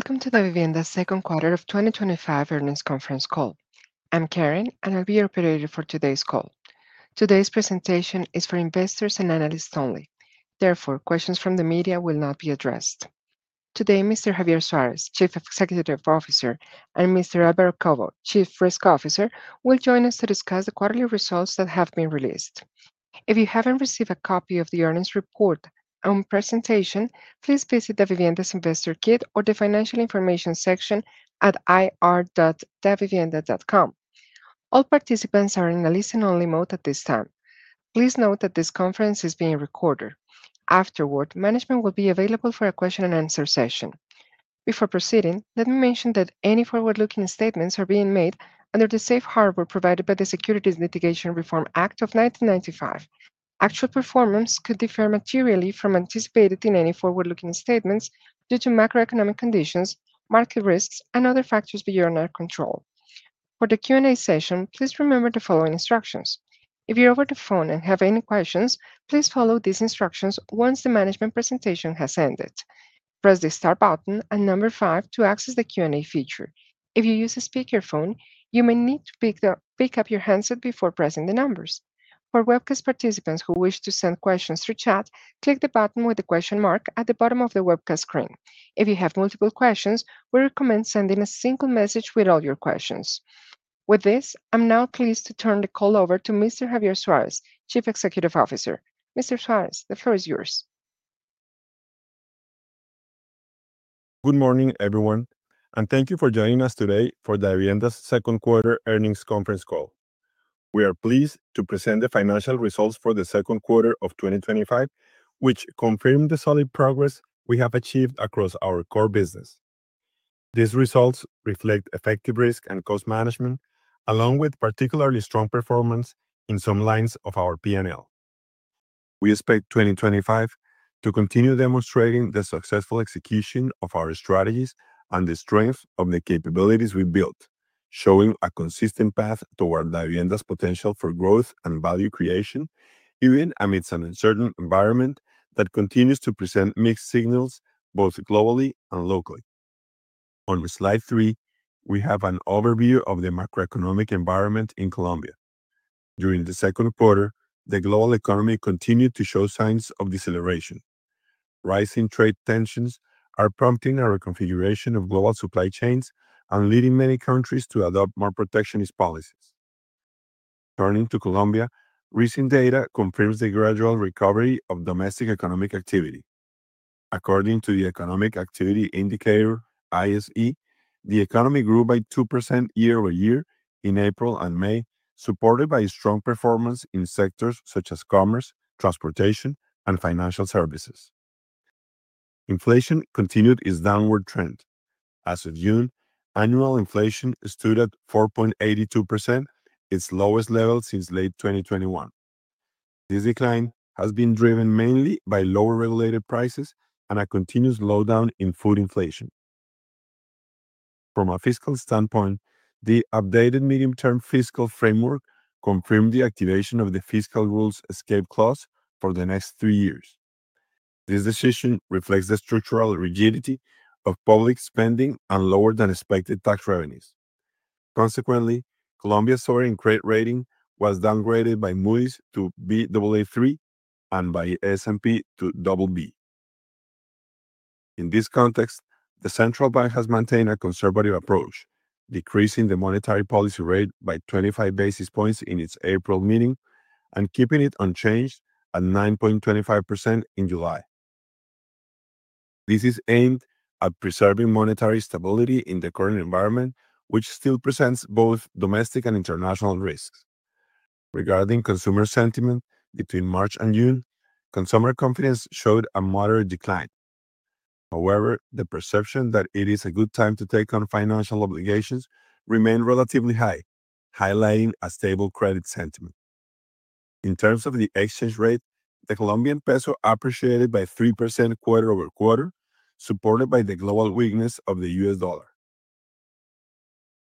Welcome to the Davivienda Second Quarter of 2025 Earnings Conference Call. I'm Karen, and I'll be your operator for today's call. Today's presentation is for investors and analysts only. Therefore, questions from the media will not be addressed. Today, Mr. Javier Suárez, Chief Executive Officer, and Mr. Álvaro Cobo, Chief Risk Officer, will join us to discuss the quarterly results that have been released. If you haven't received a copy of the earnings report and presentation, please visit Davivienda's investor kit or the financial information section at ir.davivienda.com. All participants are in a listen-only mode at this time. Please note that this conference is being recorded. Afterward, management will be available for a question-and-answer session. Before proceeding, let me mention that any forward-looking statements are being made under the safe harbor provided by the Securities Mitigation Reform Act of 1995. Actual performance could differ materially from anticipated in any forward-looking statements due to macroeconomic conditions, market risks, and other factors beyond our control. For the Q&A session, please remember the following instructions. If you're over the phone and have any questions, please follow these instructions once the management presentation has ended. Press the star button and number five to access the Q&A feature. If you use a speaker phone, you may need to pick up your handset before pressing the numbers. For webcast participants who wish to send questions through chat, click the button with the question mark at the bottom of the webcast screen. If you have multiple questions, we recommend sending a single message with all your questions. With this, I'm now pleased to turn the call over to Mr. Javier Suárez, Chief Executive Officer. Mr. Suárez, the floor is yours. Good morning, everyone, and thank you for joining us today for the Davivienda's Second Quarter Earnings Conference Call. We are pleased to present the financial results for the second quarter of 2025, which confirm the solid progress we have achieved across our core business. These results reflect effective risk and cost management, along with particularly strong performance in some lines of our P&L. We expect 2025 to continue demonstrating the successful execution of our strategies and the strength of the capabilities we've built, showing a consistent path toward Davivienda's potential for growth and value creation, even amidst an uncertain environment that continues to present mixed signals both globally and locally. On slide three, we have an overview of the macroeconomic environment in Colombia. During the second quarter, the global economy continued to show signs of deceleration. Rising trade tensions are prompting a reconfiguration of global supply chains and leading many countries to adopt more protectionist policies. Turning to Colombia, recent data confirms the gradual recovery of domestic economic activity. According to the Economic Activity Indicator, ISE, the economy grew by 2% year-over-year in April and May, supported by strong performance in sectors such as commerce, transportation, and financial services. Inflation continued its downward trend. As of June, annual inflation stood at 4.82%, its lowest level since late 2021. This decline has been driven mainly by lower regulated prices and a continuous slowdown in food inflation. From a fiscal standpoint, the updated medium-term fiscal framework confirmed the activation of the fiscal rules escape clause for the next three years. This decision reflects the structural rigidity of public spending and lower-than-expected tax revenues. Consequently, Colombia's sovereign credit rating was downgraded by Moody's to Baa3 and by S&P to BB. In this context, the Central Bank has maintained a conservative approach, decreasing the monetary policy rate by 25 basis points in its April meeting and keeping it unchanged at 9.25% in July. This is aimed at preserving monetary stability in the current environment, which still presents both domestic and international risks. Regarding consumer sentiment, between March and June, consumer confidence showed a moderate decline. However, the perception that it is a good time to take on financial obligations remained relatively high, highlighting a stable credit sentiment. In terms of the exchange rate, the Colombian peso appreciated by 3% quarter-over-quarter, supported by the global weakness of the U.S. dollar.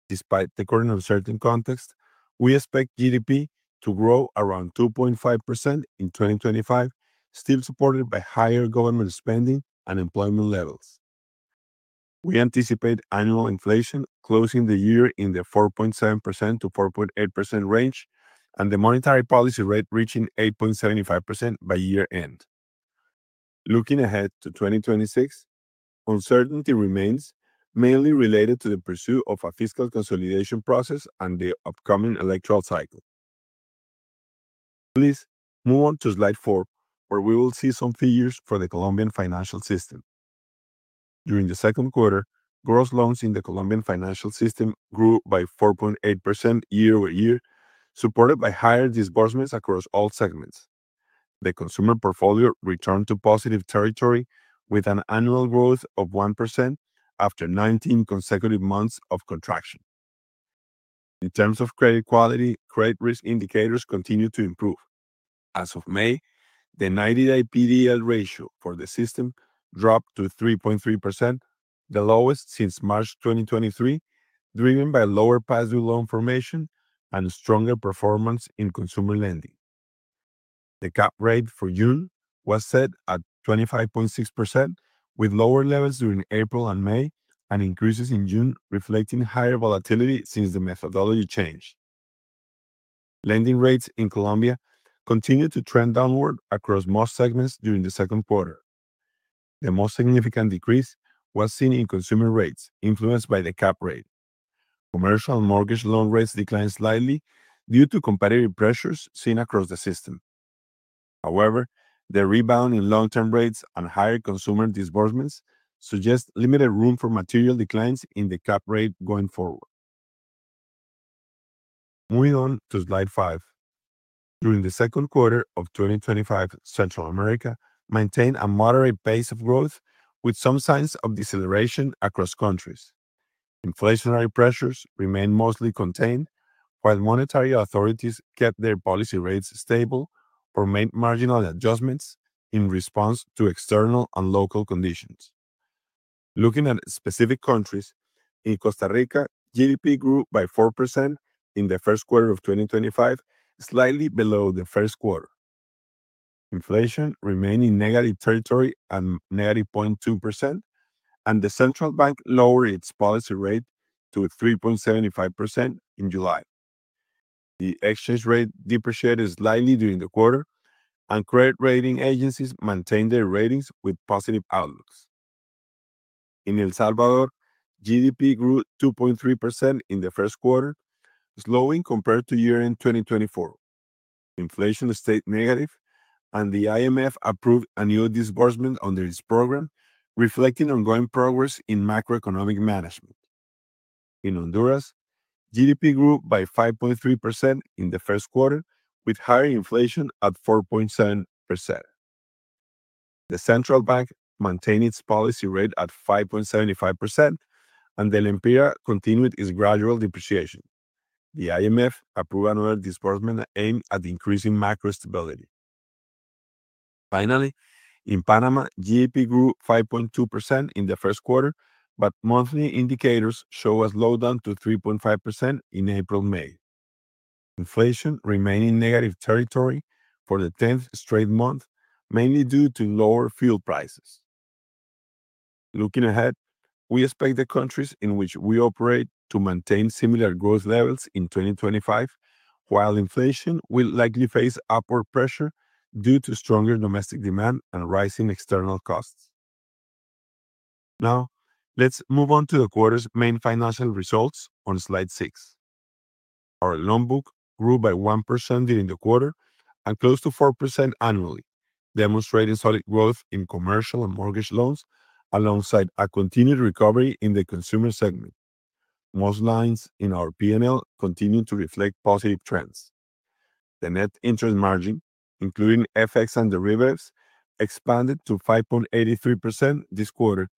Despite the current uncertain context, we expect GDP to grow around 2.5% in 2025, still supported by higher government spending and employment levels. We anticipate annual inflation closing the year in the 4.7%-4.8% range, and the monetary policy rate reaching 8.75% by year-end. Looking ahead to 2026, uncertainty remains mainly related to the pursuit of a fiscal consolidation process and the upcoming electoral cycle. Please move on to slide four, where we will see some figures for the Colombian financial system. During the second quarter, gross loans in the Colombian financial system grew by 4.8% year-over-year, supported by higher disbursements across all segments. The consumer portfolio returned to positive territory with an annual growth of 1% after 19 consecutive months of contraction. In terms of credit quality, credit risk indicators continue to improve. As of May, the [90-day] PDL ratio for the system dropped to 3.3%, the lowest since March 2023, driven by lower past-due loan formation and stronger performance in consumer lending. The cap rate for June was set at 25.6%, with lower levels during April and May and increases in June, reflecting higher volatility since the methodology change. Lending rates in Colombia continue to trend downward across most segments during the second quarter. The most significant decrease was seen in consumer rates, influenced by the cap rate. Commercial mortgage loan rates declined slightly due to competitive pressures seen across the system. However, the rebound in long-term rates and higher consumer disbursements suggest limited room for material declines in the cap rate going forward. Moving on to slide five. During the second quarter of 2025, Central America maintained a moderate pace of growth, with some signs of deceleration across countries. Inflationary pressures remain mostly contained, while monetary authorities kept their policy rates stable or made marginal adjustments in response to external and local conditions. Looking at specific countries, in Costa Rica, GDP grew by 4% in the first quarter of 2025, slightly below the first quarter. Inflation remained in negative territory at -0.2%, and the Central Bank lowered its policy rate to 3.75% in July. The exchange rate depreciated slightly during the quarter, and credit rating agencies maintained their ratings with positive outlooks. In El Salvador, GDP grew 2.3% in the first quarter, slowing compared to year-end 2024. Inflation stayed negative, and the IMF approved a new disbursement under its program, reflecting ongoing progress in macroeconomic management. In Honduras, GDP grew by 5.3% in the first quarter, with higher inflation at 4.7%. The Central Bank maintained its policy rate at 5.75%, and the Lempira continued its gradual depreciation. The IMF approved another disbursement aimed at increasing macro stability. Finally, in Panama, GDP grew 5.2% in the first quarter, but monthly indicators show a slowdown to 3.5% in April and May. Inflation remained in negative territory for the 10th straight month, mainly due to lower fuel prices. Looking ahead, we expect the countries in which we operate to maintain similar growth levels in 2025, while inflation will likely face upward pressure due to stronger domestic demand and rising external costs. Now, let's move on to the quarter's main financial results on slide six. Our loan book grew by 1% during the quarter and close to 4% annually, demonstrating solid growth in commercial and mortgage loans, alongside a continued recovery in the consumer segment. Most lines in our P&L continue to reflect positive trends. The net interest margin, including FX and derivatives, expanded to 5.83% this quarter,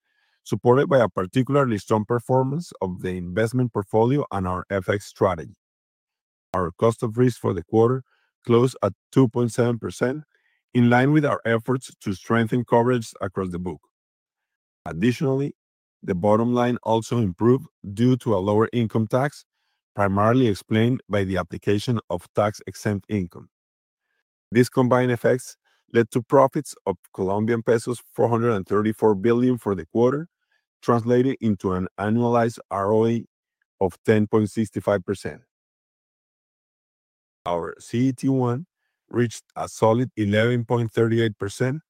supported by a particularly strong performance of the investment portfolio and our FX strategy. Our cost of risk for the quarter closed at 2.7%, in line with our efforts to strengthen coverage across the book. Additionally, the bottom line also improved due to a lower income tax, primarily explained by the application of tax-exempt income. These combined effects led to profits of COP 434 billion for the quarter, translated into an annualized ROE of 10.65%. Our CET1 reached a solid 11.38%,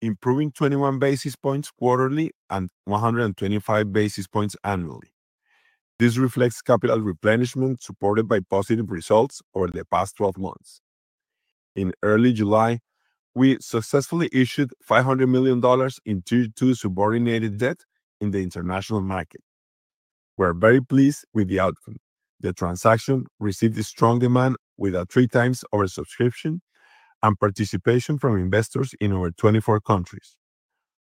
improving 21 basis points quarterly and 125 basis points annually. This reflects capital replenishment supported by positive results over the past 12 months. In early July, we successfully issued $500 million in Tier 2 subordinated debt in the international market. We are very pleased with the outcome. The transaction received strong demand with a three-times over subscription and participation from investors in over 24 countries.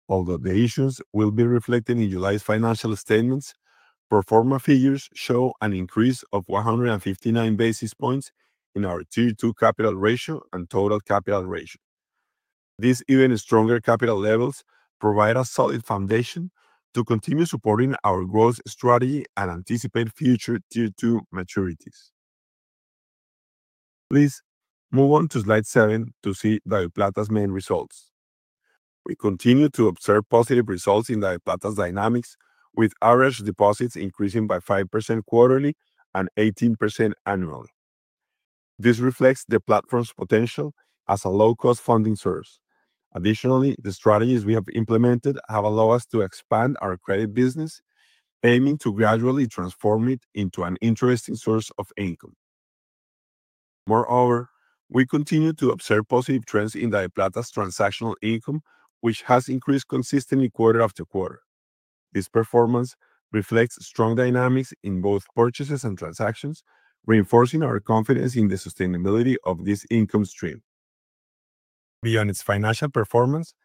Although the issues will be reflected in July's financial statements, performer figures show an increase of 159 basis points in our Tier 2 capital ratio and total capital ratio. These even stronger capital levels provide a solid foundation to continue supporting our growth strategy and anticipate future Tier 2 maturities. Please move on to slide seven to see DaviPlata's main results. We continue to observe positive results in DaviPlata's dynamics, with average deposits increasing by 5% quarterly and 18% annually. This reflects the platform's potential as a low-cost funding source. Additionally, the strategies we have implemented have allowed us to expand our credit business, aiming to gradually transform it into an interesting source of income. Moreover, we continue to observe positive trends in DaviPlata's transactional income, which has increased consistently quarter after quarter. This performance reflects strong dynamics in both purchases and transactions, reinforcing our confidence in the sustainability of this income stream. Beyond its financial performance,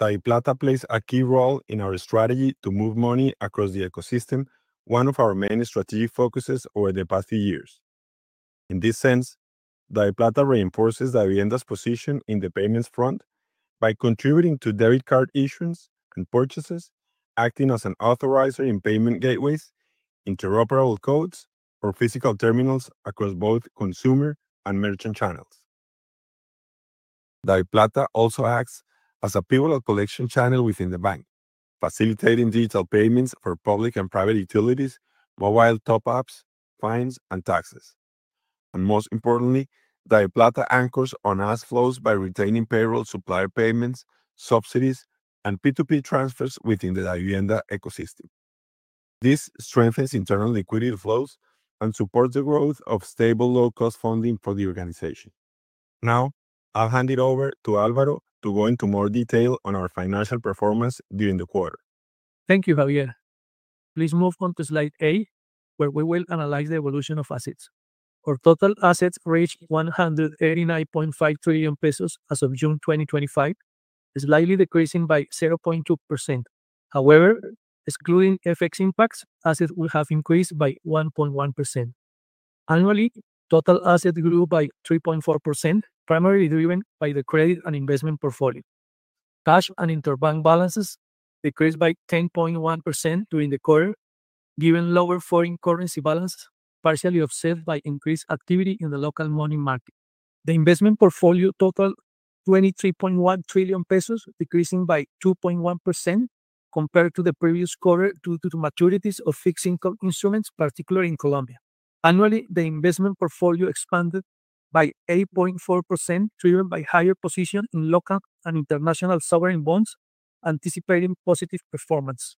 DaviPlata plays a key role in our strategy to move money across the ecosystem, one of our main strategic focuses over the past few years. In this sense, DaviPlata reinforces Davivienda's position in the payments front by contributing to debit card issuance and purchases, acting as an authorizer in payment gateways, interoperable codes, or physical terminals across both consumer and merchant channels. DaviPlata also acts as a pivotal collection channel within the bank, facilitating digital payments for public and private utilities, mobile top-ups, fines, and taxes. Most importantly, DaviPlata anchors on asset flows by retaining payroll, supplier payments, subsidies, and P2P transfers within the Davivienda ecosystem. This strengthens internal liquidity flows and supports the growth of stable low-cost funding for the organization. Now, I'll hand it over to Álvaro to go into more detail on our financial performance during the quarter. Thank you, Javier. Please move on to slide eight, where we will analyze the evolution of assets. Our total assets reached COP 189.5 trillion as of June 2025, slightly decreasing by 0.2%. However, excluding FX impacts, assets will have increased by 1.1%. Annually, total assets grew by 3.4%, primarily driven by the credit and investment portfolio. Cash and interbank balances decreased by 10.1% during the quarter, given lower foreign currency balances, partially offset by increased activity in the local money market. The investment portfolio totaled COP 23.1 trillion, decreasing by 2.1% compared to the previous quarter due to the maturities of fixed income instruments, particularly in Colombia. Annually, the investment portfolio expanded by 8.4%, driven by a higher position in local and international sovereign bonds, anticipating positive performance.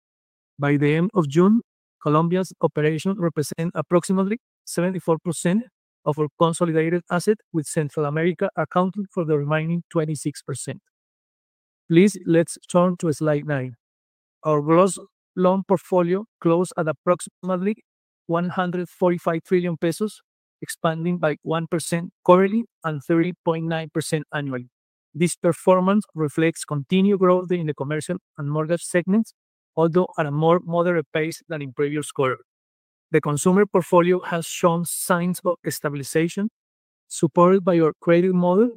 By the end of June, Colombia's operations represent approximately 74% of our consolidated assets, with Central America accounting for the remaining 26%. Please, let's turn to slide nine. Our gross loan portfolio closed at approximately COP 145 trillion, expanding by 1% quarterly and 30.9% annually. This performance reflects continued growth in the commercial and mortgage segments, although at a more moderate pace than in previous quarters. The consumer portfolio has shown signs of stabilization, supported by our credit model,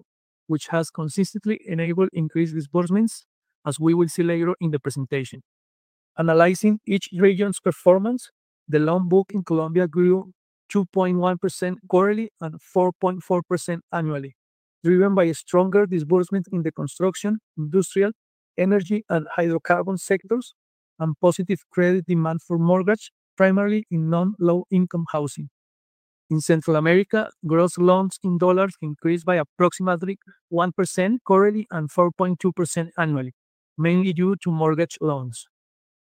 which has consistently enabled increased disbursements, as we will see later in the presentation. Analyzing each region's performance, the loan book in Colombia grew 2.1% quarterly and 4.4% annually, driven by stronger disbursements in the construction, industrial, energy, and hydrocarbon sectors, and positive credit demand for mortgages, primarily in non-low-income housing. In Central America, gross loans in dollars increased by approximately 1% quarterly and 4.2% annually, mainly due to mortgage loans.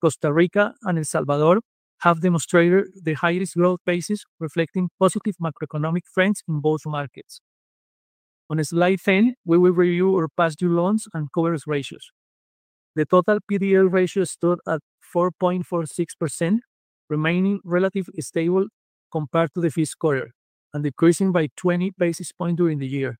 Costa Rica and El Salvador have demonstrated the highest growth basis, reflecting positive macroeconomic trends in both markets. On slide 10, we will review our past-due loans and coverage ratios. The total PDL ratio stood at 4.46%, remaining relatively stable compared to the fiscal quarter and decreasing by 20 basis points during the year.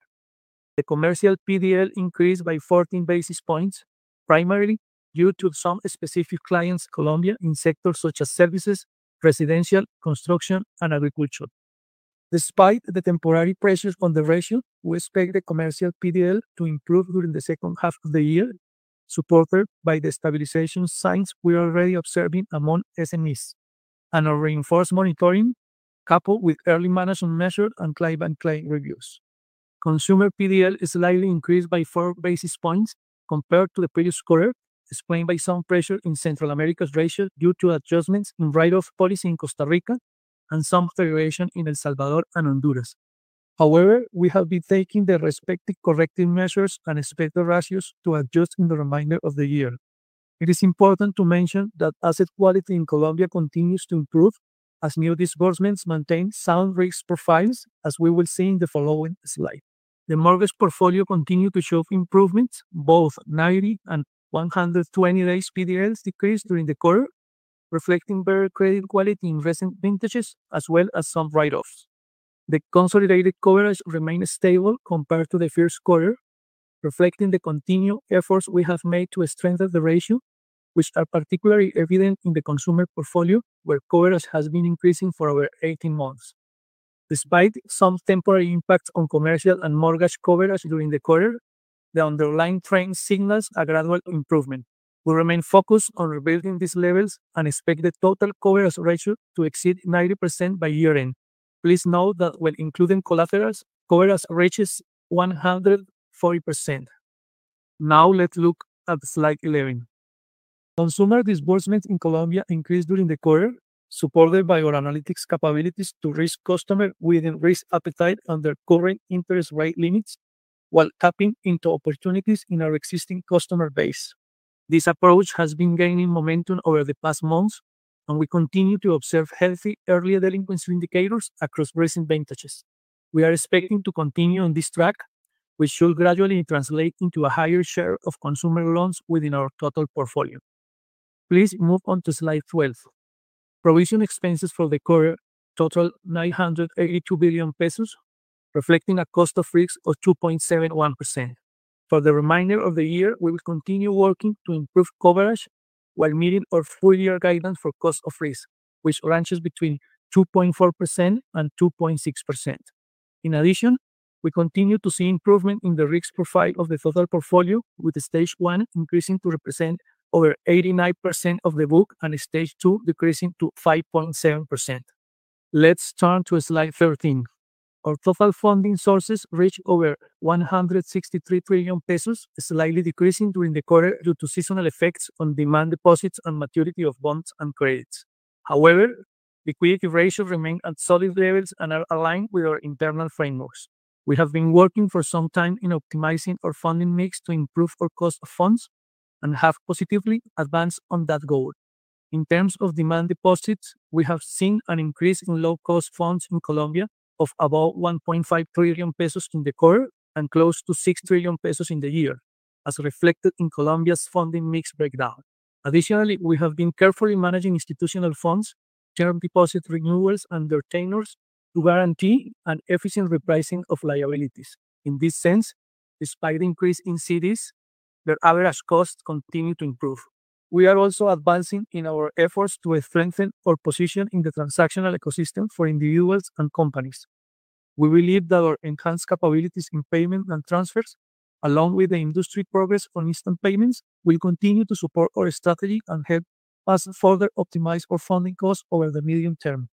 The commercial PDL increased by 14 basis points, primarily due to some specific clients in Colombia in sectors such as services, residential, construction, and agriculture. Despite the temporary pressure from the ratio, we expect the commercial PDL to improve during the second half of the year, supported by the stabilization signs we're already observing among SMEs and our reinforced monitoring, coupled with early management measures and client reviews. Consumer PDL is slightly increased by four basis points compared to the previous quarter, explained by some pressure in Central America's ratio due to adjustments in write-off policy in Costa Rica and some federation in El Salvador and Honduras. However, we have been taking the respective corrective measures and expected ratios to adjust in the remainder of the year. It is important to mention that asset quality in Colombia continues to improve, as new disbursements maintain sound risk profiles, as we will see in the following slide. The mortgage portfolio continued to show improvements, both 90 and 120 days PDLs decreased during the quarter, reflecting better credit quality in recent vintages, as well as some write-offs. The consolidated coverage remained stable compared to the first quarter, reflecting the continued efforts we have made to strengthen the ratio, which are particularly evident in the consumer portfolio, where coverage has been increasing for over 18 months. Despite some temporary impacts on commercial and mortgage coverage during the quarter, the underlying trend signals a gradual improvement. We remain focused on rebuilding these levels and expect the total coverage ratio to exceed 90% by year-end. Please note that when including collaterals, coverage reaches 140%. Now, let's look at slide 11. Consumer disbursements in Colombia increased during the quarter, supported by our analytics capabilities to reach customers within risk appetite under current interest rate limits, while tapping into opportunities in our existing customer base. This approach has been gaining momentum over the past months, and we continue to observe healthy early delinquency indicators across recent vintages. We are expecting to continue on this track, which should gradually translate into a higher share of consumer loans within our total portfolio. Please move on to slide 12. Provision expenses for the quarter totaled COP 982 billion, reflecting a cost of risk of 2.71%. For the remainder of the year, we will continue working to improve coverage while meeting our four-year guidance for cost of risk, which ranges between 2.4% and 2.6%. In addition, we continue to see improvement in the risk profile of the total portfolio, with stage one increasing to represent over 89% of the book and stage two decreasing to 5.7%. Let's turn to slide 13. Our total funding sources reached over COP 163 trillion, slightly decreasing during the quarter due to seasonal effects on demand deposits and maturity of bonds and credits. However, liquidity ratios remain at solid levels and are aligned with our internal frameworks. We have been working for some time in optimizing our funding mix to improve our cost of funds and have positively advanced on that goal. In terms of demand deposits, we have seen an increase in low-cost funds in Colombia of about COP 1.5 trillion in the quarter and close to COP 6 trillion in the year, as reflected in Colombia's funding mix breakdown. Additionally, we have been carefully managing institutional funds, term deposit renewals, and retainers to guarantee an efficient repricing of liabilities. In this sense, despite the increase in CDs, their average costs continue to improve. We are also advancing in our efforts to strengthen our position in the transactional ecosystem for individuals and companies. We believe that our enhanced capabilities in payment and transfers, along with the industry progress on instant payments, will continue to support our strategy and help us further optimize our funding costs over the medium term.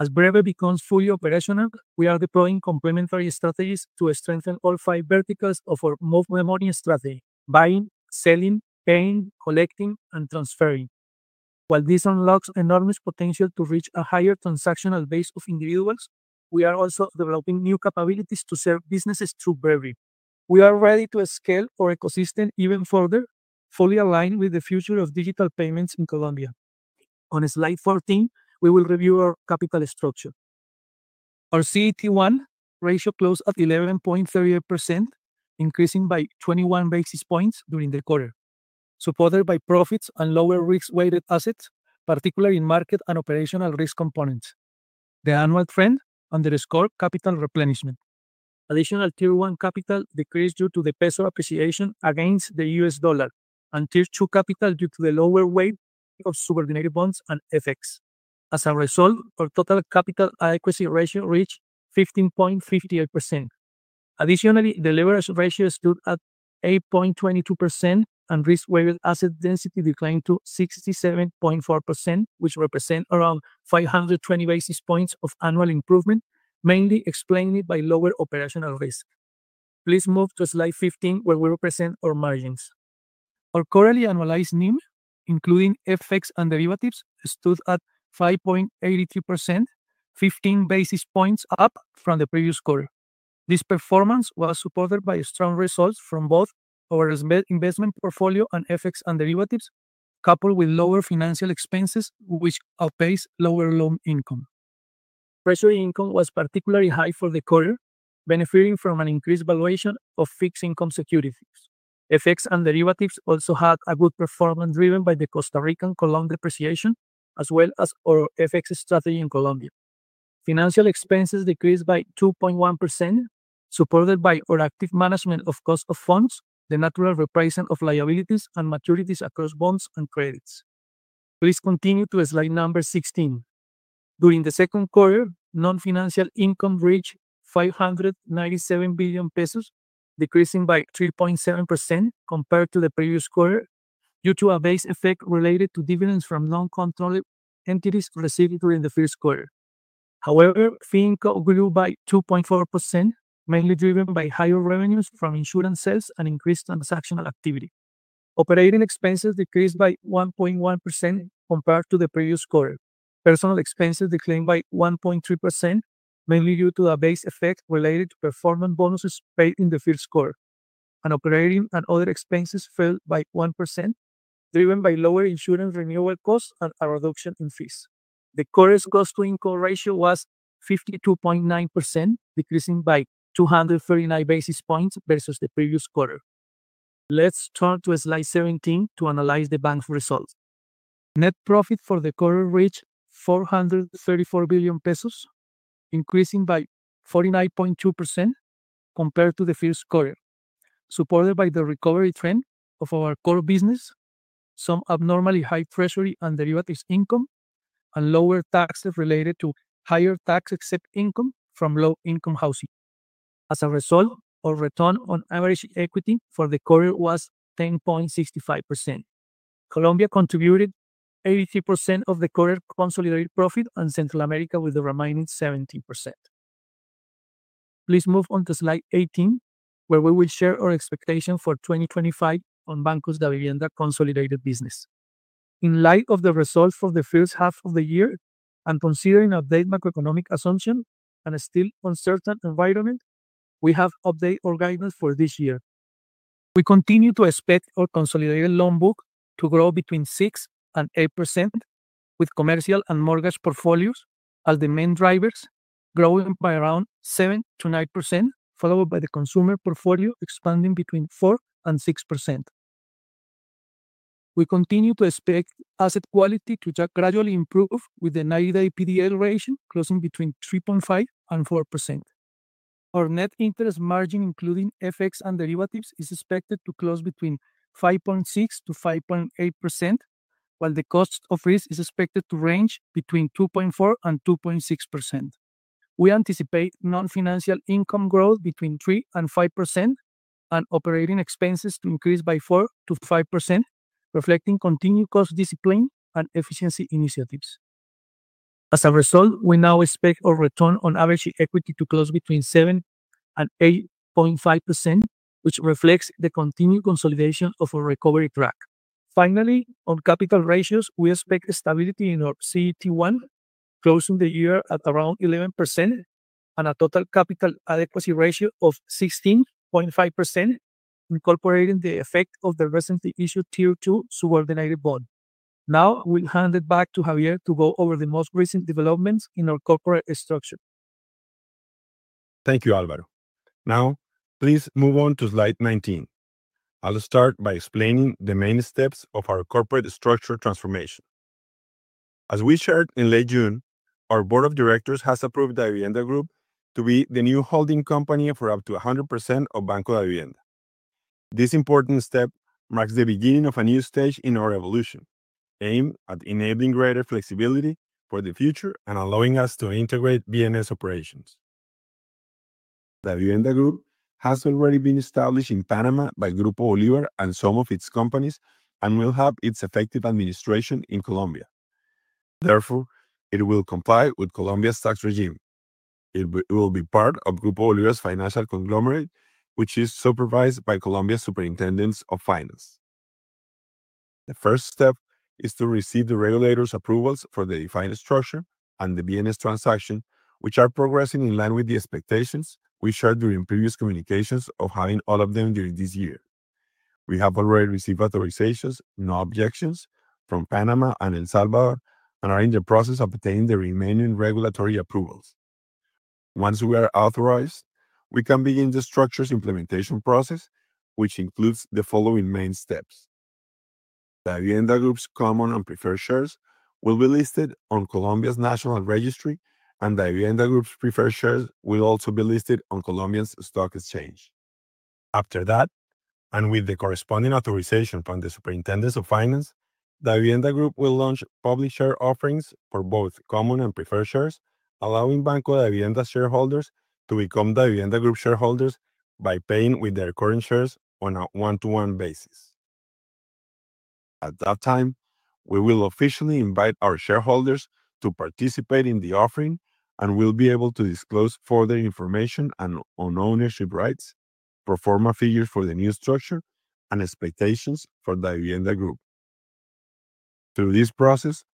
As Bre-B becomes fully operational, we are deploying complementary strategies to strengthen all five verticals of our move-my-money strategy: buying, selling, paying, collecting, and transferring. While this unlocks enormous potential to reach a higher transactional base of individuals, we are also developing new capabilities to serve businesses through Bre-B We are ready to scale our ecosystem even further, fully aligned with the future of digital payments in Colombia. On slide 14, we will review our capital structure. Our CET1 ratio closed at 11.38%, increasing by 21 basis points during the quarter, supported by profits and lower risk-weighted assets, particularly in market and operational risk components. The annual trend underscores capital replenishment. Additional Tier 1 capital decreased due to the peso appreciation against the U.S. dollar and Tier 2 capital due to the lower weight of subordinated bonds and FX. As a result, our total capital adequacy ratio reached 15.58%. Additionally, the leverage ratio stood at 8.22% and risk-weighted asset density declined to 67.4%, which represents around 520 basis points of annual improvement, mainly explained by lower operational risk. Please move to slide 15, where we will present our margins. Our quarterly annualized NIM, including FX and derivatives, stood at 5.83%, 15 basis points up from the previous quarter. This performance was supported by strong results from both our investment portfolio and FX and derivatives, coupled with lower financial expenses, which outpace lower loan income. Treasury income was particularly high for the quarter, benefiting from an increased valuation of fixed income securities. FX and derivatives also had a good performance driven by the Costa Rican colon depreciation, as well as our FX strategy in Colombia. Financial expenses decreased by 2.1%, supported by our active management of cost of funds, the natural repricing of liabilities, and maturities across bonds and credits. Please continue to slide number 16. During the second quarter, non-financial income reached COP 597 billion, decreasing by 3.7% compared to the previous quarter due to a base effect related to dividends from non-controlled entities received during the first quarter. However, fee income grew by 2.4%, mainly driven by higher revenues from insurance sales and increased transactional activity. Operating expenses decreased by 1.1% compared to the previous quarter. Personal expenses declined by 1.3%, mainly due to a base effect related to performance bonuses paid in the first quarter, and operating and other expenses fell by 1%, driven by lower insurance renewal costs and a reduction in fees. The quarter's cost to income ratio was 52.9%, decreasing by 239 basis points versus the previous quarter. Let's turn to slide 17 to analyze the bank's results. Net profit for the quarter reached COP 434 billion, increasing by 49.2% compared to the first quarter, supported by the recovery trend of our core business, some abnormally high treasury and derivatives income, and lower taxes related to higher tax-exempt income from low-income housing. As a result, our return on average equity for the quarter was 10.65%. Colombia contributed 83% of the quarter's consolidated profit and Central America with the remaining 17%. Please move on to slide 18, where we will share our expectations for 2025 on Banco Davivienda's consolidated business. In light of the results from the first half of the year and considering updated macroeconomic assumptions and a still uncertain environment, we have updated our guidance for this year. We continue to expect our consolidated loan book to grow between 6% and 8%, with commercial and mortgage portfolios as the main drivers, growing by around 7%-9%, followed by the consumer portfolio expanding between 4% and 6%. We continue to expect asset quality to gradually improve with the 90-day PDL ratio closing between 3.5% and 4%. Our net interest margin, including FX and derivatives, is expected to close between 5.6%-5.8%, while the cost of risk is expected to range between 2.4% and 2.6%. We anticipate non-financial income growth between 3% and 5% and operating expenses to increase by 4%-5%, reflecting continued cost discipline and efficiency initiatives. As a result, we now expect our return on average equity to close between 7% and 8.5%, which reflects the continued consolidation of our recovery track. Finally, on capital ratios, we expect stability in our CET1, closing the year at around 11%, and a total capital adequacy ratio of 16.5%, incorporating the effect of the recently issued Tier 2 subordinated bond. Now, I will hand it back to Javier to go over the most recent developments in our corporate structure. Thank you, Álvaro. Now, please move on to slide 19. I'll start by explaining the main steps of our corporate structure transformation. As we shared in late June, our Board of Directors has approved Davivienda Group to be the new holding company for up to 100% of Banco Davivienda. This important step marks the beginning of a new stage in our evolution, aimed at enabling greater flexibility for the future and allowing us to integrate BNS operations. Davivienda Group has already been established in Panama by Grupo Bolívar and some of its companies and will have its effective administration in Colombia. Therefore, it will comply with Colombia's tax regime. It will be part of Grupo Bolívar's financial conglomerate, which is supervised by Colombia's Superintendents of Finance. The first step is to receive the regulators' approvals for the defined structure and the BNS transactions, which are progressing in line with the expectations we shared during previous communications of having all of them during this year. We have already received authorizations, no objections, from Panama and El Salvador and are in the process of obtaining the remaining regulatory approvals. Once we are authorized, we can begin the structure's implementation process, which includes the following main steps. Davivienda Group's common and preferred shares will be listed on Colombia's national registry, and Davivienda Group's preferred shares will also be listed on Colombia's stock exchange. After that, and with the corresponding authorization from the Superintendents of Finance, Davivienda Group will launch public share offerings for both common and preferred shares, allowing Banco Davivienda shareholders to become Davivienda Group shareholders by paying with their current shares on a one-to-one basis. At that time, we will officially invite our shareholders to participate in the offering and will be able to disclose further information on ownership rights, performer figures for the new structure, and expectations for Davivienda Group. Through this process,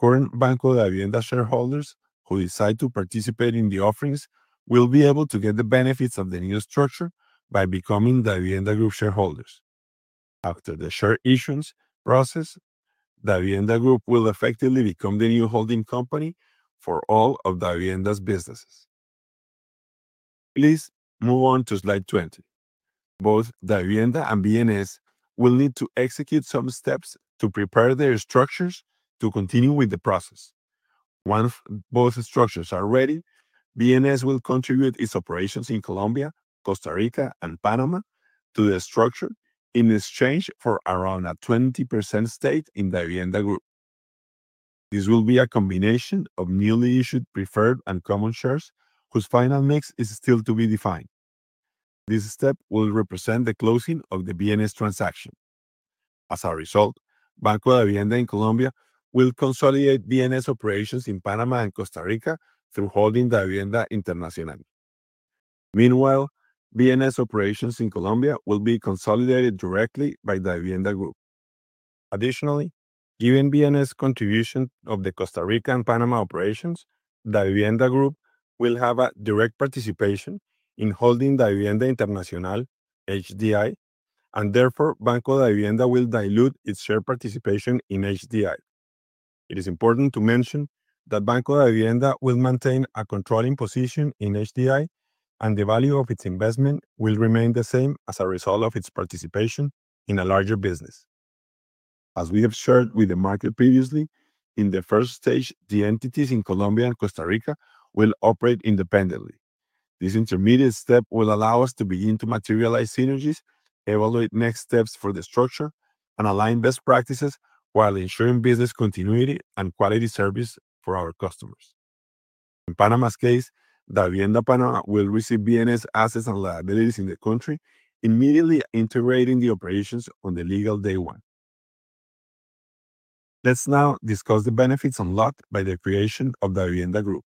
current Banco Davivienda shareholders who decide to participate in the offerings will be able to get the benefits of the new structure by becoming Davivienda Group shareholders. After the share issuance process, Davivienda Group will effectively become the new holding company for all of Davivienda's businesses. Please move on to slide 20. Both Davivienda and BNS will need to execute some steps to prepare their structures to continue with the process. Once both structures are ready, BNS will contribute its operations in Colombia, Costa Rica, and Panama to the structure in exchange for around a 20% stake in Davivienda Group. This will be a combination of newly issued preferred and common shares, whose final mix is still to be defined. This step will represent the closing of the BNS transaction. As a result, Banco Davivienda in Colombia will consolidate BNS operations in Panama and Costa Rica through Holding Davivienda Internacional. Meanwhile, BNS operations in Colombia will be consolidated directly by Davivienda Group. Additionally, given BNS's contribution of the Costa Rica and Panama operations, Davivienda Group will have a direct participation in Holding Davivienda Internacional, HDI, and therefore, Banco Davivienda will dilute its share participation in HDI. It is important to mention that Banco Davivienda will maintain a controlling position in HDI, and the value of its investment will remain the same as a result of its participation in a larger business. As we have shared with the market previously, in the first stage, the entities in Colombia and Costa Rica will operate independently. This intermediate step will allow us to begin to materialize synergies, evaluate next steps for the structure, and align best practices while ensuring business continuity and quality service for our customers. In Panama's case, Davivienda Panama will receive BNS assets and liabilities in the country, immediately integrating the operations on the legal day one. Let's now discuss the benefits unlocked by the creation of Davivienda Group.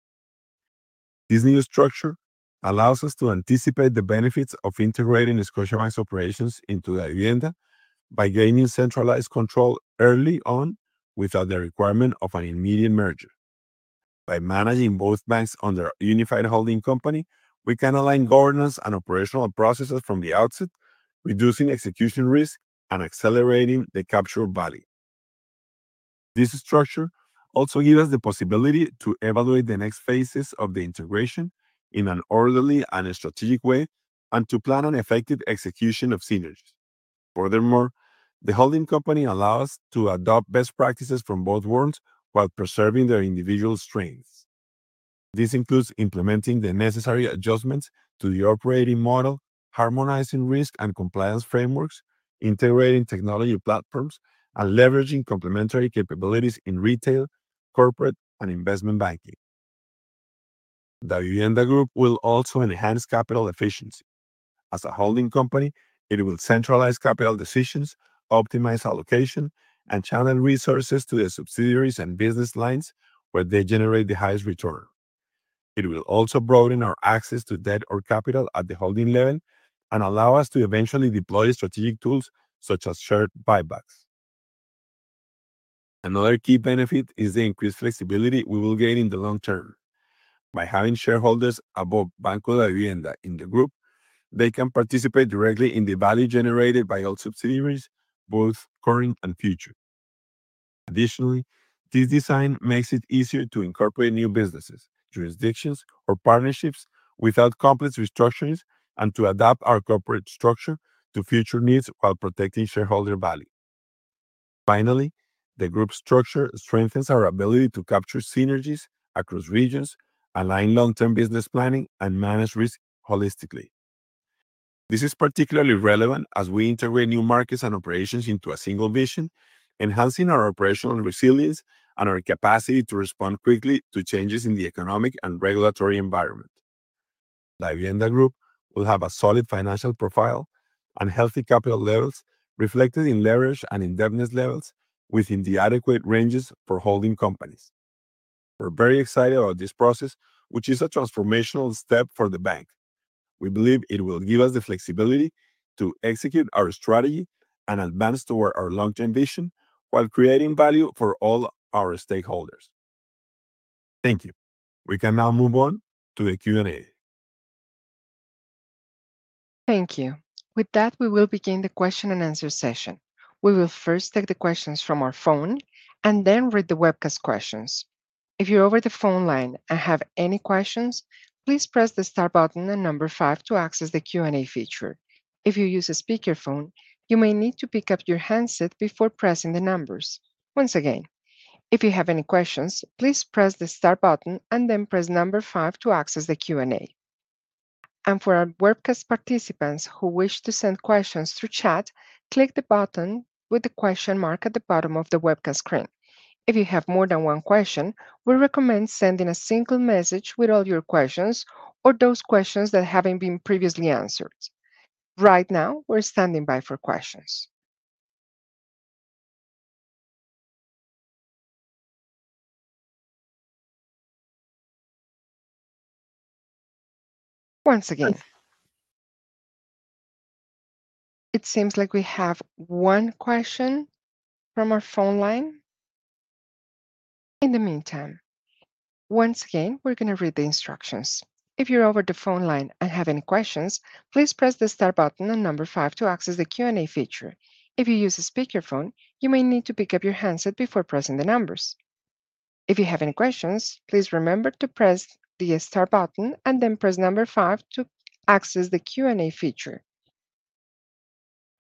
This new structure allows us to anticipate the benefits of integrating Scotiabank's operations into Davivienda by gaining centralized control early on without the requirement of an immediate merger. By managing both banks under a unified holding company, we can align governance and operational processes from the outset, reducing execution risk and accelerating the capture of value. This structure also gives us the possibility to evaluate the next phases of the integration in an orderly and strategic way and to plan on effective execution of synergies. Furthermore, the holding company allows us to adopt best practices from both worlds while preserving their individual strengths. This includes implementing the necessary adjustments to the operating model, harmonizing risk and compliance frameworks, integrating technology platforms, and leveraging complementary capabilities in retail, corporate, and investment banking. Davivienda Group will also enhance capital efficiency. As a holding company, it will centralize capital decisions, optimize allocation, and channel resources to the subsidiaries and business lines where they generate the highest return. It will also broaden our access to debt or capital at the holding level and allow us to eventually deploy strategic tools such as shared buybacks. Another key benefit is the increased flexibility we will gain in the long term. By having shareholders above Banco Davivienda in the group, they can participate directly in the value generated by all subsidiaries, both current and future. Additionally, this design makes it easier to incorporate new businesses, jurisdictions, or partnerships without complex restructurings and to adapt our corporate structure to future needs while protecting shareholder value. Finally, the group structure strengthens our ability to capture synergies across regions, align long-term business planning, and manage risk holistically. This is particularly relevant as we integrate new markets and operations into a single vision, enhancing our operational resilience and our capacity to respond quickly to changes in the economic and regulatory environment. Davivienda Group will have a solid financial profile and healthy capital levels reflected in leverage and indebtedness levels within the adequate ranges for holding companies. We're very excited about this process, which is a transformational step for the bank. We believe it will give us the flexibility to execute our strategy and advance toward our long-term vision while creating value for all our stakeholders. Thank you. We can now move on to the Q&A. Thank you. With that, we will begin the question and answer session. We will first take the questions from our phone and then read the webcast questions. If you're over the phone line and have any questions, please press the star button and number five to access the Q&A feature. If you use a speaker phone, you may need to pick up your handset before pressing the numbers. Once again, if you have any questions, please press the star button and then press number five to access the Q&A. For our webcast participants who wish to send questions to chat, click the button with the question mark at the bottom of the webcast screen. If you have more than one question, we recommend sending a single message with all your questions or those questions that haven't been previously answered. Right now, we're standing by for questions. Once again, it seems like we have one question from our phone line. In the meantime, we're going to read the instructions. If you're over the phone line and have any questions, please press the star button and number five to access the Q&A feature. If you use a speaker phone, you may need to pick up your handset before pressing the numbers. If you have any questions, please remember to press the star button and then press number five to access the Q&A feature.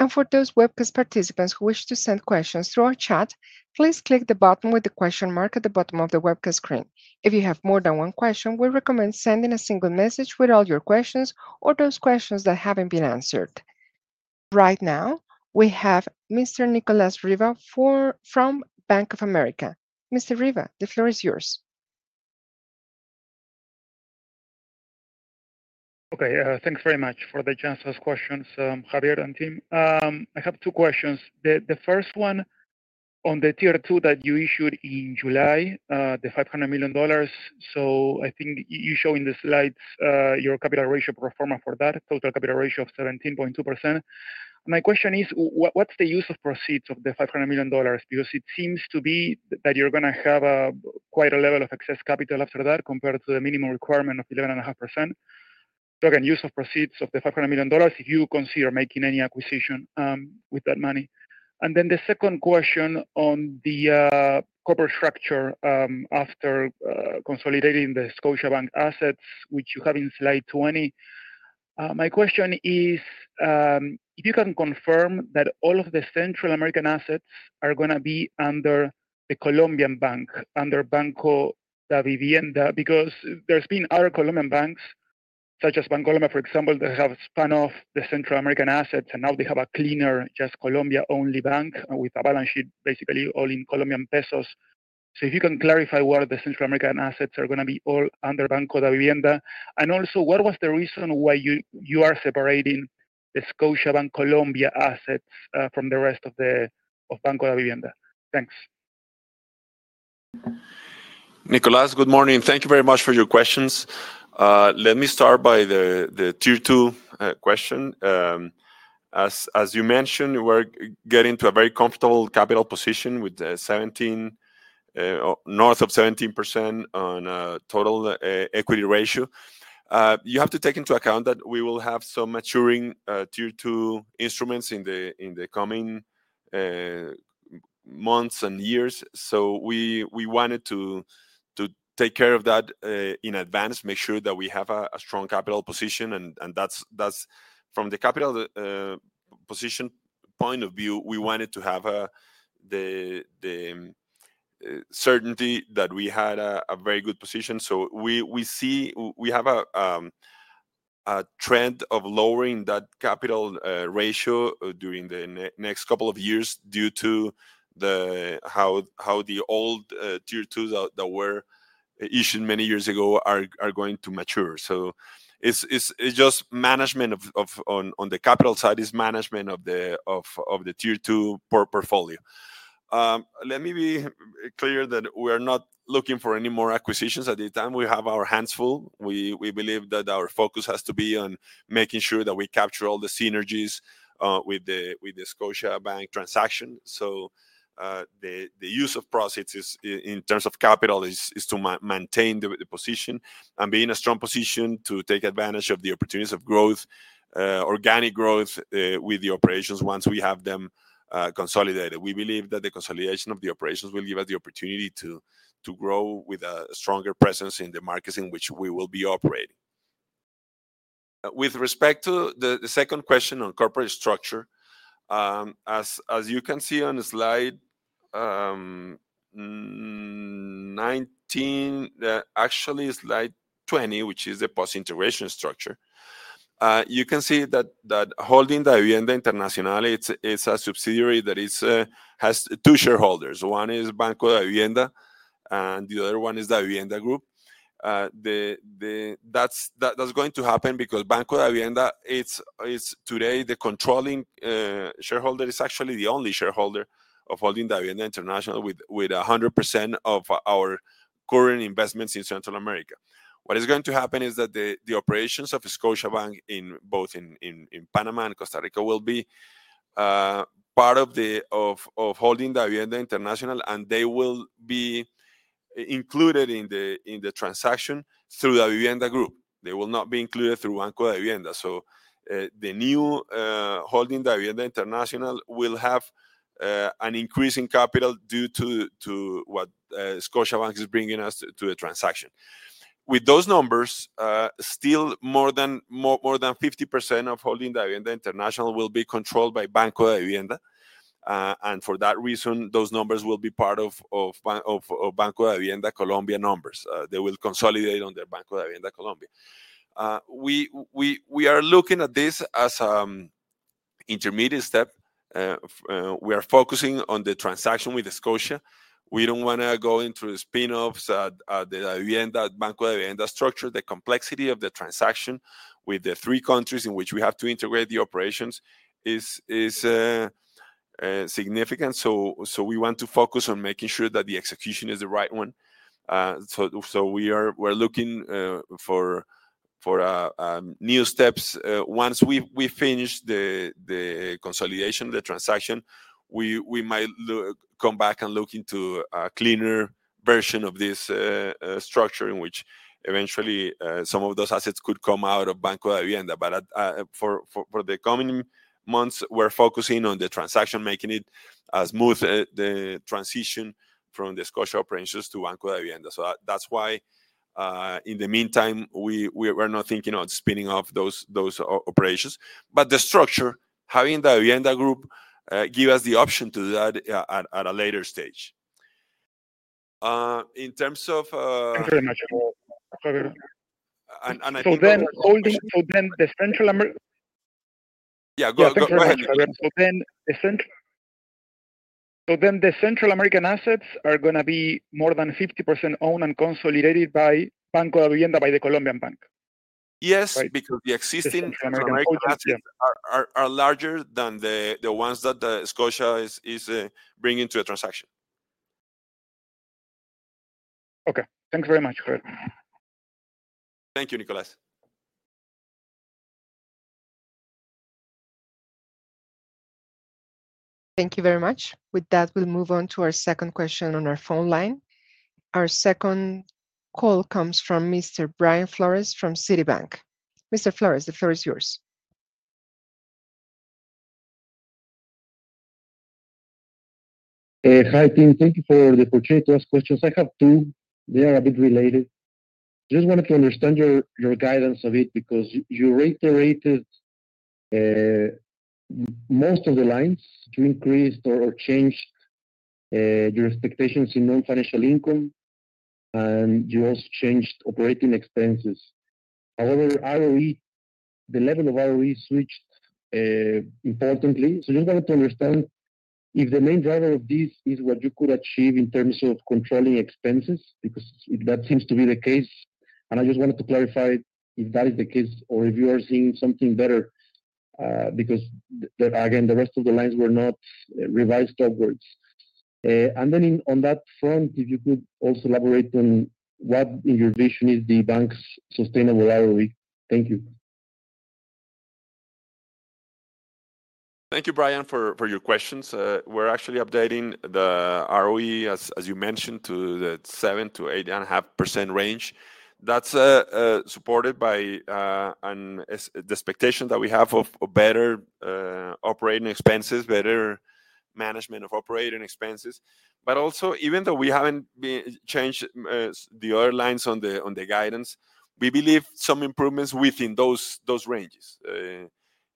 For those webcast participants who wish to send questions through our chat, please click the button with the question mark at the bottom of the webcast screen. If you have more than one question, we recommend sending a single message with all your questions or those questions that haven't been answered. Right now, we have Mr. Nicolas Riva from Bank of America. Mr. Riva, the floor is yours. Okay, thanks very much for the chance to ask questions, Javier and team. I have two questions. The first one is on the Tier 2 that you issued in July, the $500 million. I think you show in the slides your capital ratio pro forma for that, total capital ratio of 17.2%. My question is, what's the use of proceeds of the $500 million? It seems to be that you're going to have quite a level of excess capital after that compared to the minimum requirement of 11.5%. Again, use of proceeds of the $500 million if you consider making any acquisition with that money. The second question is on the corporate structure after consolidating the Scotiabank assets, which you have in slide 20. My question is if you can confirm that all of the Central American assets are going to be under the Colombian bank, under Banco Davivienda, because there have been other Colombian banks, such as Bancolombia, for example, that have spun off the Central American assets and now they have a cleaner, just Colombia-only bank with a balance sheet basically all in Colombian pesos. If you can clarify whether the Central American assets are going to be all under Banco Davivienda, and also what was the reason why you are separating the Scotiabank Colombia assets from the rest of Banco Davivienda? Thanks. Nicolas, good morning. Thank you very much for your questions. Let me start by the Tier 2 question. As you mentioned, we're getting to a very comfortable capital position with north of 17% on a total equity ratio. You have to take into account that we will have some maturing Tier 2 instruments in the coming months and years. We wanted to take care of that in advance, make sure that we have a strong capital position. From the capital position point of view, we wanted to have the certainty that we had a very good position. We see we have a trend of lowering that capital ratio during the next couple of years due to how the old Tier 2 that were issued many years ago are going to mature. It's just management of, on the capital side, it's management of the Tier 2 portfolio. Let me be clear that we are not looking for any more acquisitions at this time. We have our hands full. We believe that our focus has to be on making sure that we capture all the synergies with the Scotiabank transaction. The use of profits in terms of capital is to maintain the position and be in a strong position to take advantage of the opportunities of growth, organic growth with the operations once we have them consolidated. We believe that the consolidation of the operations will give us the opportunity to grow with a stronger presence in the markets in which we will be operating. With respect to the second question on corporate structure, as you can see on slide 19, actually slide 20, which is the post-integration structure, you can see that Holding Davivienda Internacional is a subsidiary that has two shareholders. One is Banco Davivienda and the other one is Davivienda Group. That's going to happen because Banco Davivienda, today, the controlling shareholder is actually the only shareholder of Holding Davivienda Internacional with 100% of our current investments in Central America. What is going to happen is that the operations of Scotiabank in both Panama and Costa Rica will be part of Holding Davivienda Internacional and they will be included in the transaction through Davivienda Group. They will not be included through Banco Davivienda. The new Holding Davivienda Internacional will have an increase in capital due to what Scotiabank is bringing us to the transaction. With those numbers, still more than 50% of Holding Davivienda Internacional will be controlled by Banco Davivienda. For that reason, those numbers will be part of Banco Davivienda Colombia numbers. They will consolidate under Banco Davivienda Colombia. We are looking at this as an intermediate step. We are focusing on the transaction with Scotia. We don't want to go into spin-offs at the Davivienda structure. The complexity of the transaction with the three countries in which we have to integrate the operations is significant. We want to focus on making sure that the execution is the right one. We are looking for new steps. Once we finish the consolidation of the transaction, we might come back and look into a cleaner version of this structure in which eventually some of those assets could come out of Banco Davivienda. For the coming months, we're focusing on the transaction, making it a smooth transition from the Scotia operations to Banco Davivienda. That's why, in the meantime, we're not thinking of spinning off those operations. The structure, having Davivienda Group, gives us the option to do that at a later stage. In terms of. Thank you very much, Javier. I think. Then the Central. Yeah, go ahead. The Central American assets are going to be more than 50% owned and consolidated by Banco Davivienda, by the Colombian bank. Yes, because the existing American assets are larger than the ones that Scotia is bringing to the transaction. Okay, thank you very much, Javier. Thank you, Nicolas. Thank you very much. With that, we'll move on to our second question on our phone line. Our second call comes from Mr. Brian Flores from Citibank. Mr. Flores, the floor is yours. Hi, team. Thank you for the opportunity to ask questions. I have two. They are a bit related. I just wanted to understand your guidance a bit because you reiterated most of the lines to increase or change your expectations in non-financial income, and you also changed operating expenses. However, the level of ROE switched importantly. I just wanted to understand if the main driver of this is what you could achieve in terms of controlling expenses, because that seems to be the case. I just wanted to clarify if that is the case or if you are seeing something better, because again, the rest of the lines were not revised upwards. If you could also elaborate on what in your vision is the bank's sustainable ROE. Thank you. Thank you, Brian, for your questions. We're actually updating the ROE, as you mentioned, to the 7%-8.5% range. That's supported by the expectation that we have of better operating expenses, better management of operating expenses. Even though we haven't changed the other lines on the guidance, we believe some improvements within those ranges.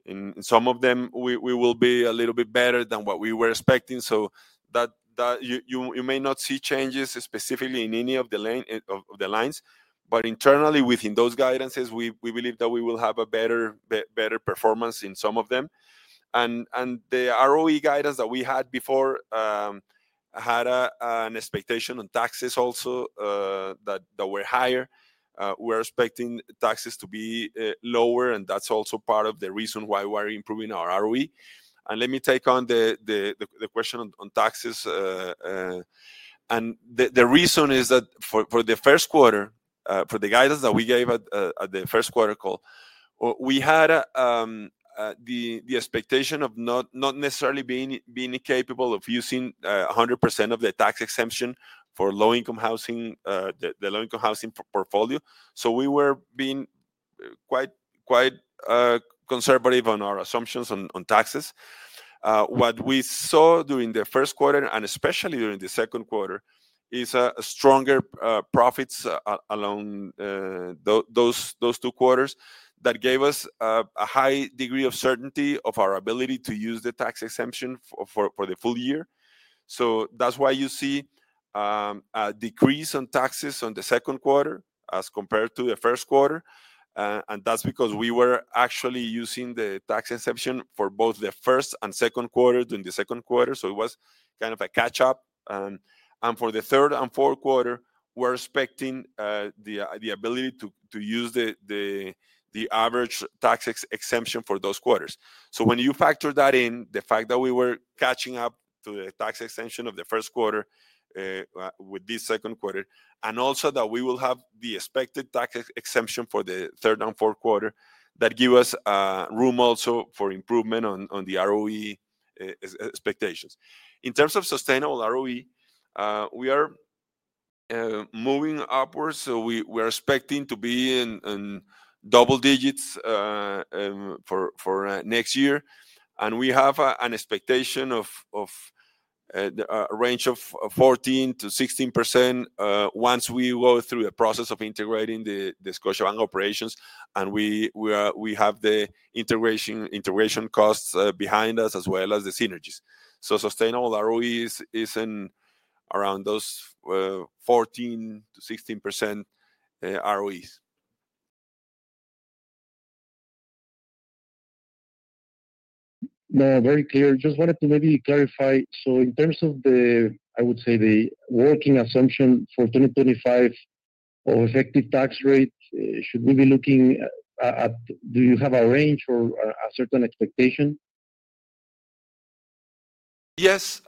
In some of them, we will be a little bit better than what we were expecting. You may not see changes specifically in any of the lines, but internally within those guidances, we believe that we will have a better performance in some of them. The ROE guidance that we had before had an expectation on taxes also that were higher. We're expecting taxes to be lower, and that's also part of the reason why we're improving our ROE. Let me take on the question on taxes. The reason is that for the first quarter, for the guidance that we gave at the first quarter call, we had the expectation of not necessarily being incapable of using 100% of the tax exemption for low-income housing, the low-income housing portfolio. We were being quite conservative on our assumptions on taxes. What we saw during the first quarter, and especially during the second quarter, is stronger profits along those two quarters that gave us a high degree of certainty of our ability to use the tax exemption for the full year. That's why you see a decrease in taxes on the second quarter as compared to the first quarter. That's because we were actually using the tax exemption for both the first and second quarter during the second quarter. It was kind of a catch-up. For the third and fourth quarter, we're expecting the ability to use the average tax exemption for those quarters. When you factor that in, the fact that we were catching up to the tax exemption of the first quarter with this second quarter, and also that we will have the expected tax exemption for the third and fourth quarter, that gives us room also for improvement on the ROE expectations. In terms of sustainable ROE, we are moving upwards. We are expecting to be in double digits for next year. We have an expectation of a range of 14%-16% once we go through the process of integrating the Scotiabank operations. We have the integration costs behind us, as well as the synergies. Sustainable ROE is around those 14%-16% ROEs. Very clear. I just wanted to maybe clarify. In terms of the, I would say, the working assumption for 2025 of effective tax rate, should we be looking at, do you have a range or a certain expectation? Yes.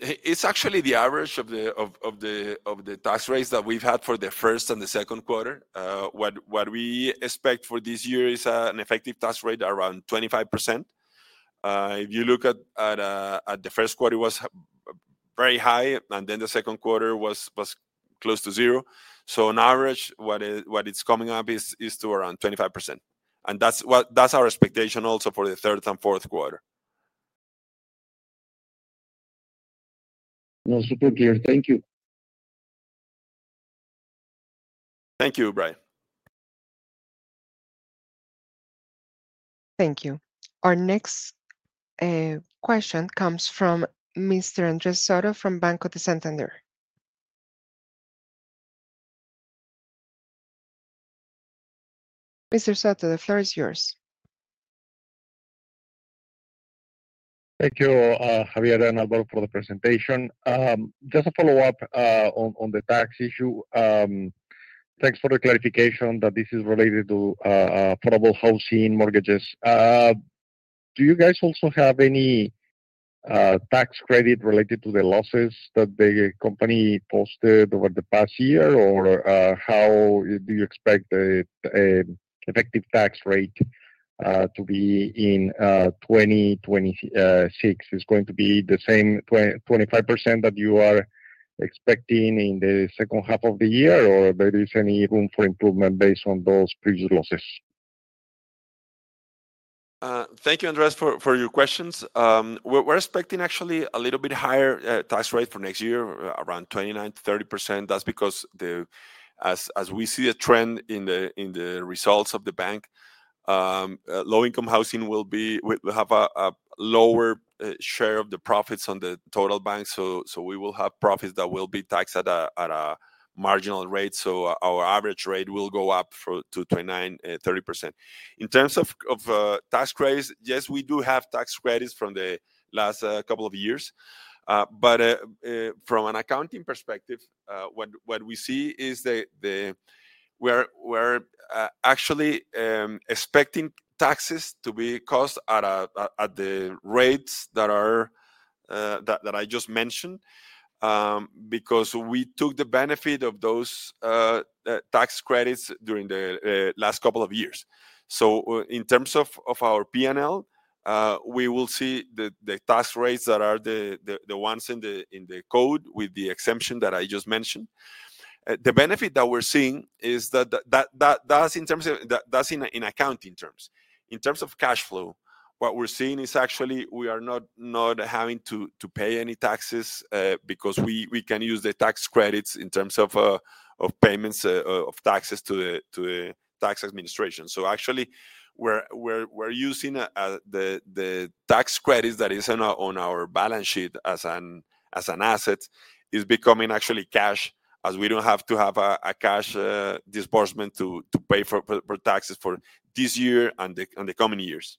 It's actually the average of the tax rates that we've had for the first and the second quarter. What we expect for this year is an effective tax rate around 25%. If you look at the first quarter, it was very high, and the second quarter was close to zero. On average, what it's coming up is to around 25%. That's our expectation also for the third and fourth quarter. That's super clear. Thank you. Thank you, Brian. Thank you. Our next question comes from Mr. Andres Soto from Banco Santander. Mr. Soto, the floor is yours. Thank you, Javier and Álvaro, for the presentation. Just a follow-up on the tax issue. Thanks for the clarification that this is related to affordable housing mortgages. Do you guys also have any tax credit related to the losses that the company posted over the past year, or how do you expect the effective tax rate to be in 2026? Is it going to be the same 25% that you are expecting in the second half of the year, or is there any room for improvement based on those previous losses? Thank you, Andres, for your questions. We're expecting actually a little bit higher tax rate for next year, around 29%-30%. That's because as we see a trend in the results of the bank, low-income housing will have a lower share of the profits on the total bank. We will have profits that will be taxed at a marginal rate, so our average rate will go up to 29%, 30%. In terms of tax credits, yes, we do have tax credits from the last couple of years. From an accounting perspective, what we see is that we're actually expecting taxes to be cost at the rates that I just mentioned because we took the benefit of those tax credits during the last couple of years. In terms of our P&L, we will see the tax rates that are the ones in the code with the exemption that I just mentioned. The benefit that we're seeing is that that's in accounting terms. In terms of cash flow, what we're seeing is actually we are not having to pay any taxes because we can use the tax credits in terms of payments of taxes to the tax administration. We're using the tax credit that is on our balance sheet as an asset, and it is becoming actually cash, as we don't have to have a cash disbursement to pay for taxes for this year and the coming years.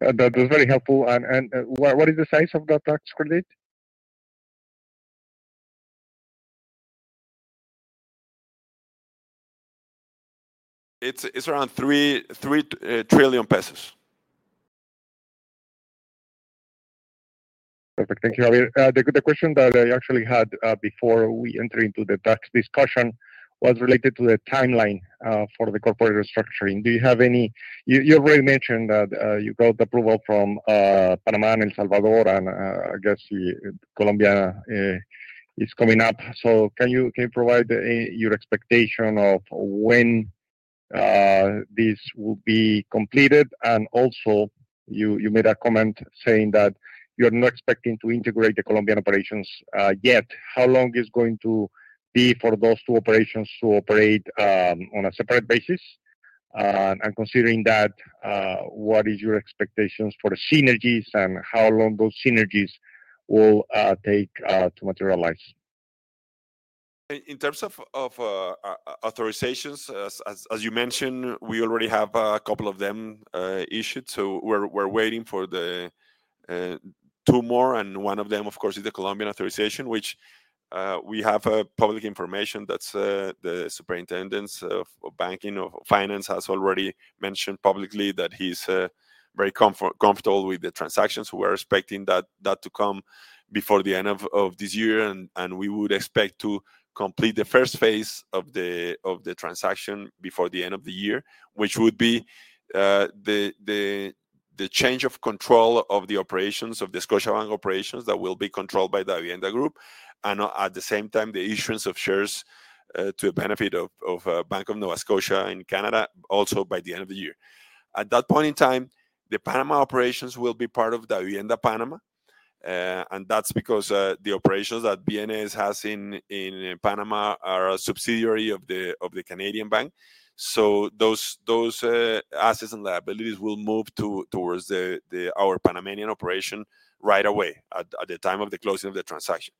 That is very helpful. What is the size of that tax credit? It's around COP 3 trillion. Perfect. Thank you, Javier. The question that I actually had before we enter into the tax discussion was related to the timeline for the corporate restructuring. Do you have any? You already mentioned that you got approval from Panama and El Salvador, and I guess Colombia is coming up. Can you provide your expectation of when this will be completed? You made a comment saying that you are not expecting to integrate the Colombian operations yet. How long is it going to be for those two operations to operate on a separate basis? Considering that, what are your expectations for synergies and how long those synergies will take to materialize? In terms of authorizations, as you mentioned, we already have a couple of them issued. We're waiting for two more, and one of them, of course, is the Colombian authorization, which we have public information that the Superintendence of Banking or Finance has already mentioned publicly that he's very comfortable with the transactions. We're expecting that to come before the end of this year. We would expect to complete the first phase of the transaction before the end of the year, which would be the change of control of the operations of the Scotiabank operations that will be controlled by Davivienda Group. At the same time, the issuance of shares to the benefit of Bank of Nova Scotia in Canada, also by the end of the year. At that point in time, the Panama operations will be part of Davivienda Panama. That's because the operations that BNS has in Panama are a subsidiary of the Canadian bank. Those assets and liabilities will move towards our Panamanian operation right away at the time of the closing of the transaction.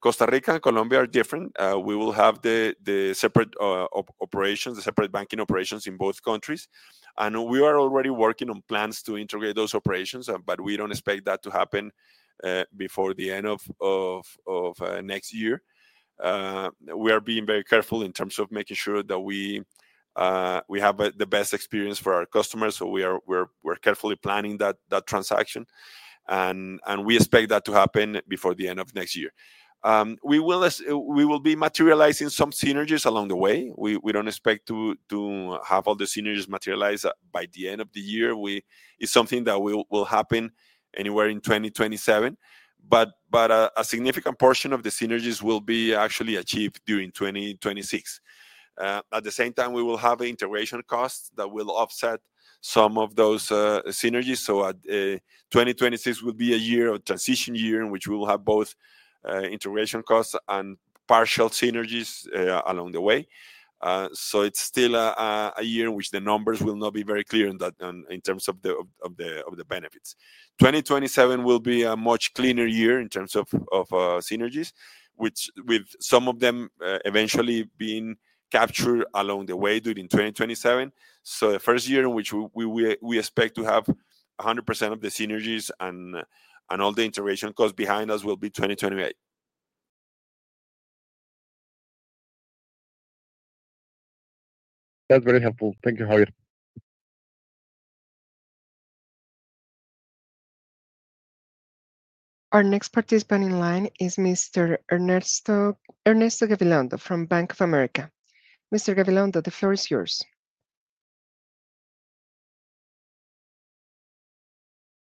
Costa Rica and Colombia are different. We will have the separate operations, the separate banking operations in both countries. We are already working on plans to integrate those operations, but we don't expect that to happen before the end of next year. We are being very careful in terms of making sure that we have the best experience for our customers. We are carefully planning that transaction, and we expect that to happen before the end of next year. We will be materializing some synergies along the way. We don't expect to have all the synergies materialized by the end of the year. It's something that will happen anywhere in 2027. A significant portion of the synergies will be actually achieved during 2026. At the same time, we will have an integration cost that will offset some of those synergies. 2026 will be a transition year in which we will have both integration costs and partial synergies along the way. It's still a year in which the numbers will not be very clear in terms of the benefits. 2027 will be a much cleaner year in terms of synergies, with some of them eventually being captured along the way during 2027. The first year in which we expect to have 100% of the synergies and all the integration costs behind us will be 2028. That's very helpful. Thank you, Javier. Our next participant in line is Mr. Ernesto Gabilondo from Bank of America. Mr. Gabilondo, the floor is yours.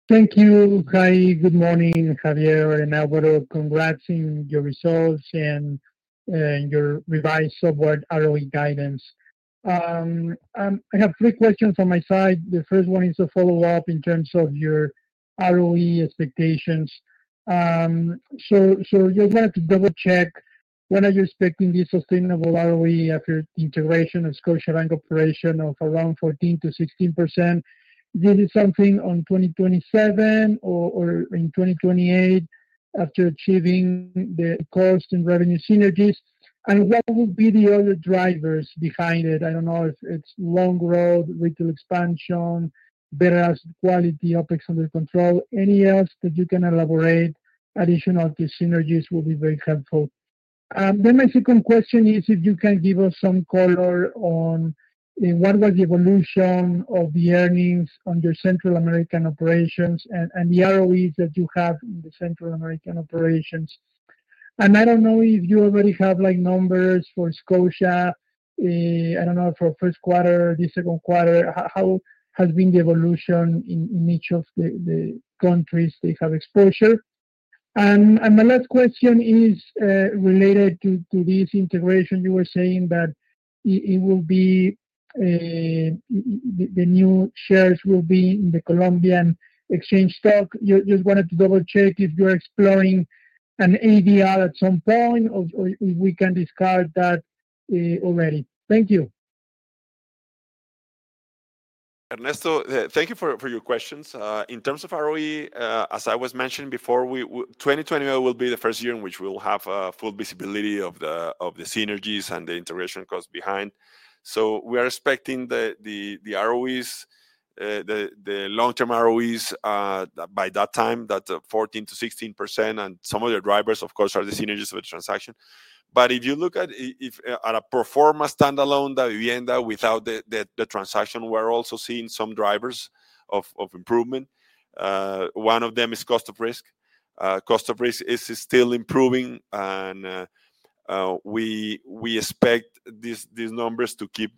Thank you. Hi. Good morning, Javier and Álvaro. Congrats on your results and your revised software ROE guidance. I have three questions on my side. The first one is a follow-up in terms of your ROE expectations. I just wanted to double-check, when are you expecting the sustainable ROE after integration of Scotiabank operation of around 14%-16%? Is this something in 2027 or in 2028 after achieving the cost and revenue synergies? What would be the other drivers behind it? I don't know if it's long road, retail expansion, better asset quality, OpEx under control. Anything else that you can elaborate? Additional synergies will be very helpful. My second question is if you can give us some color on what was the evolution of the earnings under Central American operations and the ROEs that you have in the Central American operations. I don't know if you already have numbers for Scotia. I don't know for first quarter, this second quarter, how has been the evolution in each of the countries they have exposure. My last question is related to this integration. You were saying that the new shares will be in the Colombian exchange stock. I just wanted to double-check if you're exploring an ADR at some point or if we can discard that already. Thank you. Ernesto, thank you for your questions. In terms of ROE, as I was mentioning before, 2028 will be the first year in which we will have full visibility of the synergies and the integration costs behind. We are expecting the long-term ROEs by that time, that 14% -16%, and some of the drivers, of course, are the synergies of the transaction. If you look at a pro forma standalone Davivienda without the transaction, we're also seeing some drivers of improvement. One of them is cost of risk. Cost of risk is still improving, and we expect these numbers to keep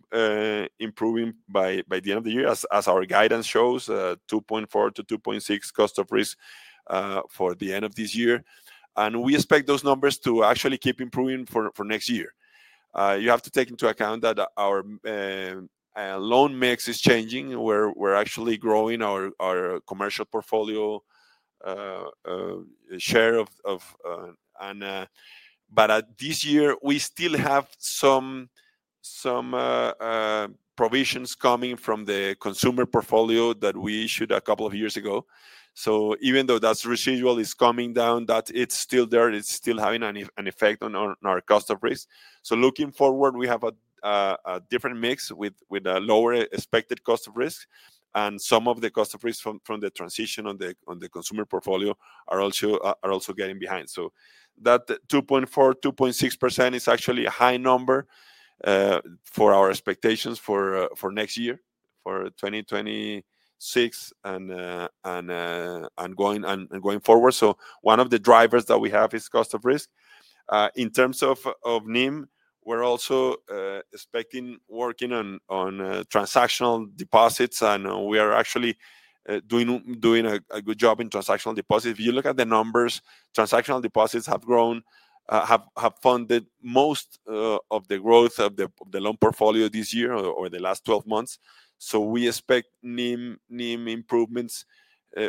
improving by the end of the year, as our guidance shows, 2.4%-2.6% cost of risk for the end of this year. We expect those numbers to actually keep improving for next year. You have to take into account that our loan mix is changing. We're actually growing our commercial portfolio share of and, but at this year, we still have some provisions coming from the consumer portfolio that we issued a couple of years ago. Even though that residual is coming down, it's still there. It's still having an effect on our cost of risk. Looking forward, we have a different mix with a lower expected cost of risk, and some of the cost of risk from the transition on the consumer portfolio are also getting behind. That 2.4%-2.6% is actually a high number for our expectations for next year, for 2026 and going forward. One of the drivers that we have is cost of risk. In terms of NIM, we're also expecting working on transactional deposits, and we are actually doing a good job in transactional deposits. If you look at the numbers, transactional deposits have grown, have funded most of the growth of the loan portfolio this year over the last 12 months. We expect NIM improvements,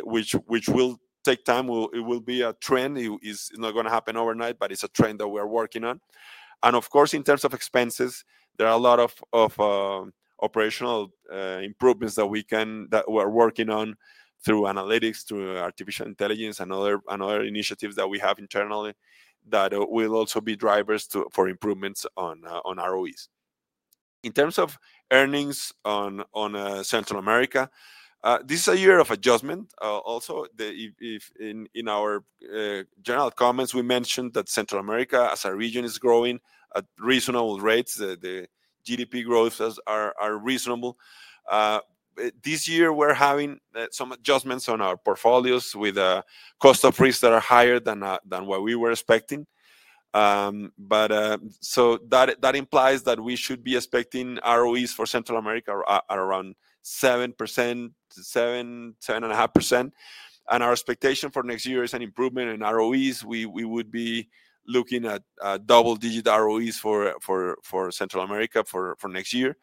which will take time. It will be a trend. It's not going to happen overnight, but it's a trend that we're working on. In terms of expenses, there are a lot of operational improvements that we're working on through analytics, through artificial intelligence, and other initiatives that we have internally that will also be drivers for improvements on ROEs. In terms of earnings on Central America, this is a year of adjustment. Also, in our general comments, we mentioned that Central America, as a region, is growing at reasonable rates. The GDP growth is reasonable. This year, we're having some adjustments on our portfolios with cost of risk that are higher than what we were expecting. That implies that we should be expecting ROEs for Central America at around 7%, 7.5%. Our expectation for next year is an improvement in ROEs. We would be looking at double-digit ROEs for Central America for next year.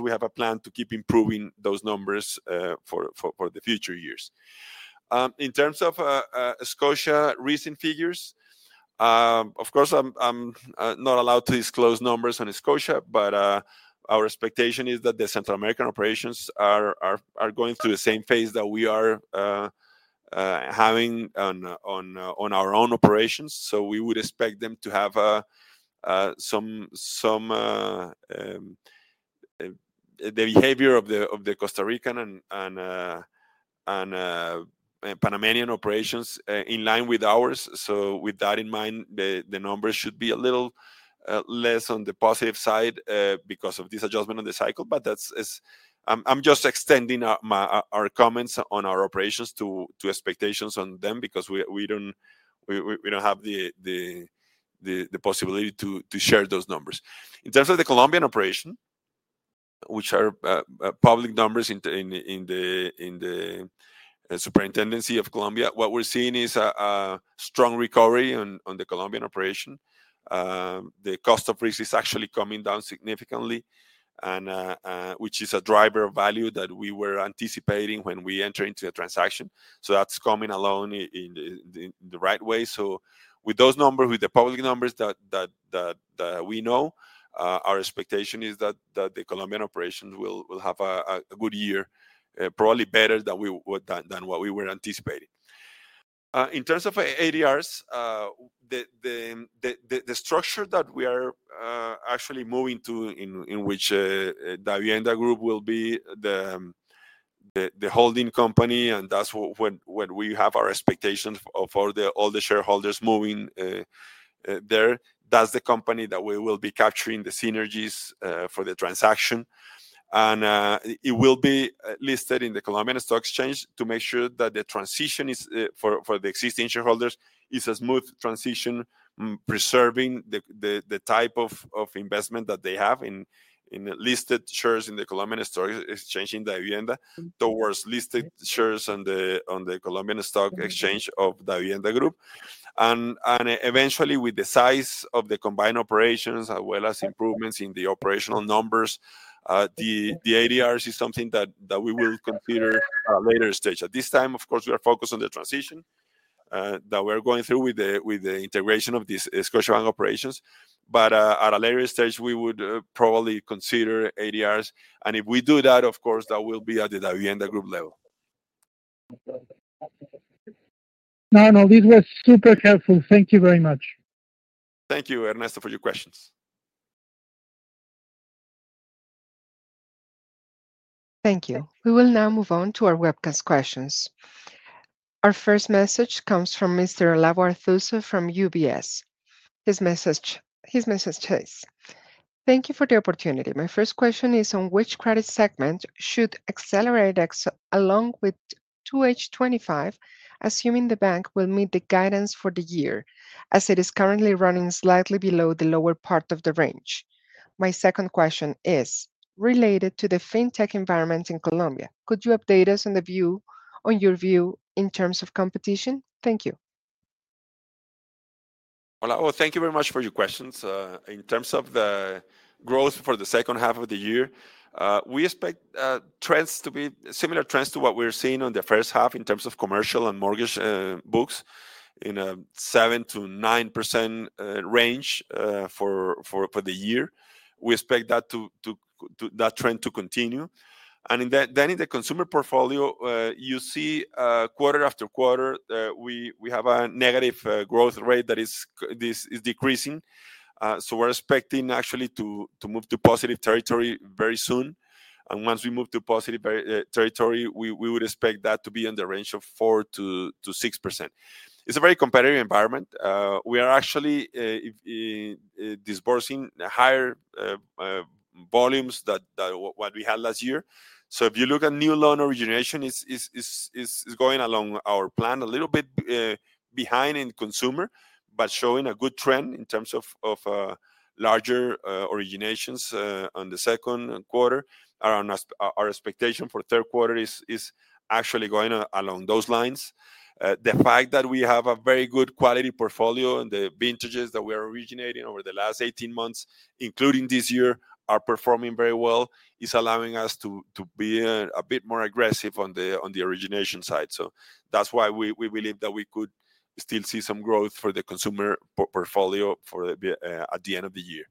We have a plan to keep improving those numbers for the future years. In terms of Scotia recent figures, I'm not allowed to disclose numbers on Scotia, but our expectation is that the Central American operations are going through the same phase that we are having on our own operations. We would expect them to have the behavior of the Costa Rican and Panamanian operations in line with ours. With that in mind, the numbers should be a little less on the positive side because of this adjustment on the cycle. I'm just extending our comments on our operations to expectations on them because we don't have the possibility to share those numbers. In terms of the Colombian operation, which are public numbers in the Superintendency of Colombia, what we're seeing is a strong recovery on the Colombian operation. The cost of risk is actually coming down significantly, which is a driver of value that we were anticipating when we enter into the transaction. That's coming along in the right way. With those numbers, with the public numbers that we know, our expectation is that the Colombian operations will have a good year, probably better than what we were anticipating. In terms of ADRs, the structure that we are actually moving to, in which Davivienda Group will be the holding company, that's what we have our expectations of all the shareholders moving there. That's the company that we will be capturing the synergies for the transaction. It will be listed in the Colombian Stock Exchange to make sure that the transition for the existing shareholders is a smooth transition, preserving the type of investment that they have in listed shares in the Colombian Stock Exchange in Davivienda towards listed shares on the Colombian Stock Exchange of Davivienda Group. Eventually, with the size of the combined operations, as well as improvements in the operational numbers, the ADRs is something that we will consider at a later stage. At this time, we are focused on the transition that we're going through with the integration of these Scotiabank operations. At a later stage, we would probably consider ADRs. If we do that, that will be at the Davivienda Group level. No, this was super helpful. Thank you very much. Thank you, Ernesto, for your questions. Thank you. We will now move on to our webcast questions. Our first message comes from Mr. Olavo Arthuzo from UBS. His message is, "Thank you for the opportunity. My first question is on which credit segment should accelerate along with 2H 2025, assuming the bank will meet the guidance for the year, as it is currently running slightly below the lower part of the range. My second question is related to the fintech environment in Colombia. Could you update us on your view in terms of competition? Thank you. Thank you very much for your questions. In terms of the growth for the second half of the year, we expect trends to be similar to what we're seeing in the first half in terms of commercial and mortgage books in a 7%-9% range for the year. We expect that trend to continue. In the consumer portfolio, you see quarter after quarter, we have a negative growth rate that is decreasing. We're expecting actually to move to positive territory very soon. Once we move to positive territory, we would expect that to be in the range of 4%-6%. It's a very competitive environment. We are actually disbursing higher volumes than what we had last year. If you look at new loan origination, it's going along our plan, a little bit behind in consumer, but showing a good trend in terms of larger originations in the second quarter. Our expectation for the third quarter is actually going along those lines. The fact that we have a very good quality portfolio and the vintages that we are originating over the last 18 months, including this year, are performing very well is allowing us to be a bit more aggressive on the origination side. That's why we believe that we could still see some growth for the consumer portfolio. At the end of the year,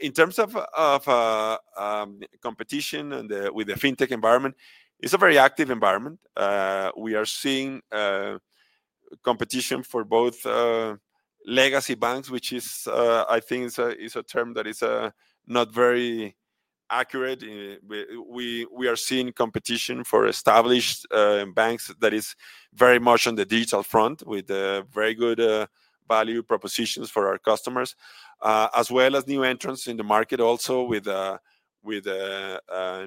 in terms of competition and the fintech environment, it's a very active environment. We are seeing competition for both legacy banks, which I think is a term that is not very accurate. We are seeing competition for established banks that is very much on the digital front with very good value propositions for our customers, as well as new entrants in the market also with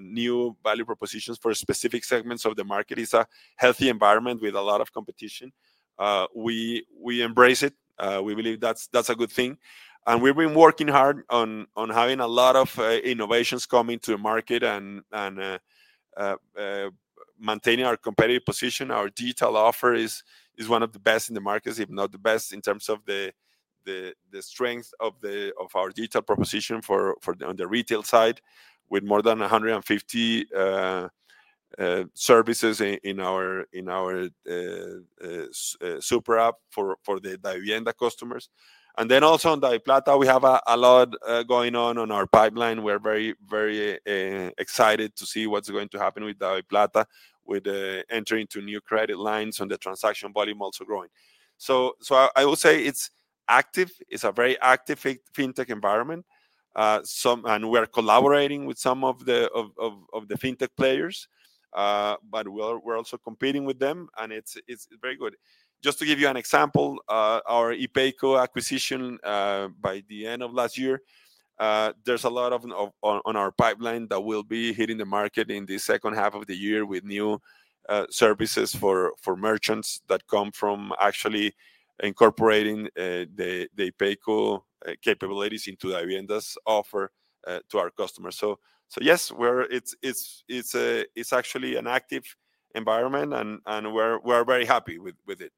new value propositions for specific segments of the market. It's a healthy environment with a lot of competition. We embrace it. We believe that's a good thing. We've been working hard on having a lot of innovations coming to the market and maintaining our competitive position. Our digital offer is one of the best in the markets, if not the best, in terms of the strength of our digital proposition on the retail side with more than 150 services in our super app for the Davivienda customers. Also on DaviPlata, we have a lot going on in our pipeline. We're very excited to see what's going to happen with DaviPlata, with entering into new credit lines and the transaction volume also growing. I will say it's active. It's a very active fintech environment. We are collaborating with some of the fintech players, but we're also competing with them, and it's very good. Just to give you an example, our ePayco acquisition by the end of last year, there's a lot in our pipeline that will be hitting the market in the second half of the year with new services for merchants that come from actually incorporating the Payco capabilities into Davivienda's offer to our customers. Yes, it's actually an active environment and we're very happy with it.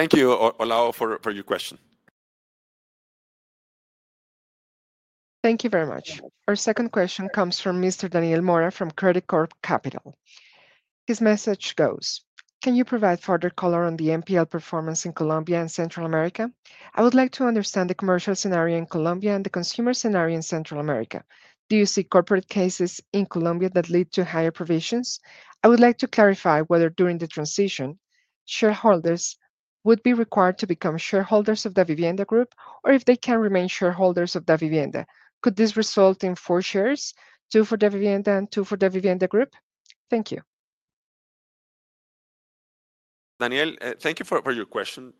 Thank you, Olavo, for your question. Thank you very much. Our second question comes from Mr. Daniel Mora from Credicorp Capital. His message goes, can you provide further color on the NPL performance in Colombia and Central America? I would like to understand the commercial scenario in Colombia and the consumer scenario in Central America. Do you see corporate cases in Colombia that lead to higher provisions? I would like to clarify whether during the transition, shareholders would be required to become shareholders of Davivienda Group or if they can remain shareholders of Davivienda. Could this result in four shares, two for Davivienda and two for Davivienda Group? Thank you. Daniel, thank you for your question.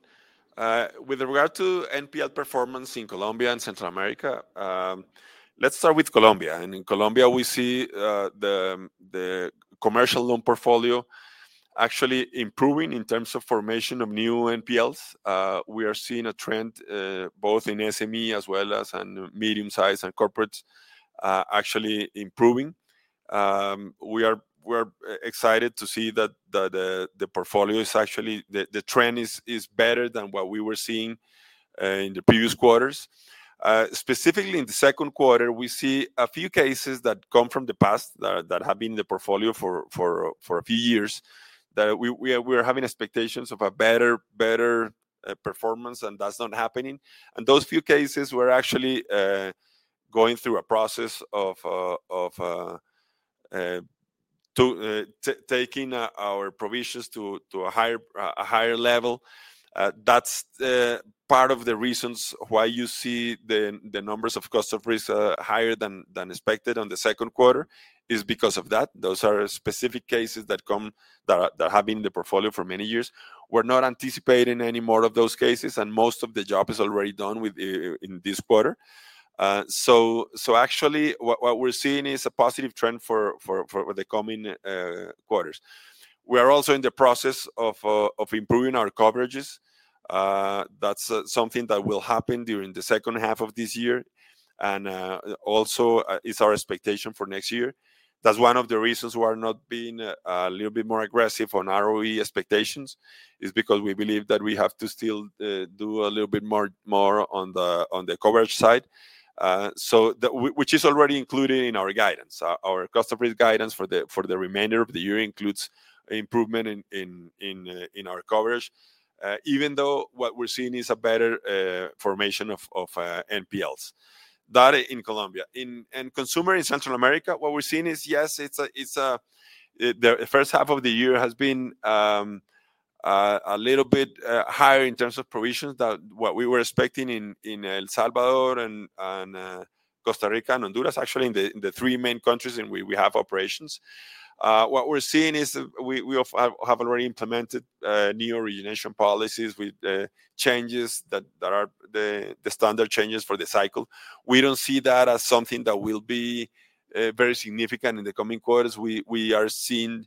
With regard to NPL performance in Colombia and Central America, let's start with Colombia. In Colombia, we see the commercial loan portfolio actually improving in terms of formation of new NPLs. We are seeing a trend, both in SME as well as in medium size and corporates, actually improving. We are excited to see that the portfolio is actually, the trend is better than what we were seeing in the previous quarters. Specifically in the second quarter, we see a few cases that come from the past that have been in the portfolio for a few years that we are having expectations of a better performance, and that's not happening. Those few cases were actually going through a process of taking our provisions to a higher level. That is part of the reasons why you see the numbers of customers higher than expected in the second quarter, because of that. Those are specific cases that have been in the portfolio for many years. We're not anticipating any more of those cases, and most of the job is already done within this quarter. Actually, what we're seeing is a positive trend for the coming quarters. We are also in the process of improving our coverages. That is something that will happen during the second half of this year, and also it's our expectation for next year. That's one of the reasons we are not being a little bit more aggressive on ROE expectations, because we believe that we have to still do a little bit more on the coverage side, which is already included in our guidance. Our customer's guidance for the remainder of the year includes improvement in our coverage, even though what we're seeing is a better formation of NPLs. That in Colombia. In consumer in Central America, what we're seeing is, yes, the first half of the year has been a little bit higher in terms of provisions than what we were expecting in El Salvador, Costa Rica, and Honduras, actually in the three main countries in which we have operations. What we're seeing is we have already implemented new origination policies with changes that are the standard changes for the cycle. We don't see that as something that will be very significant in the coming quarters. We are seeing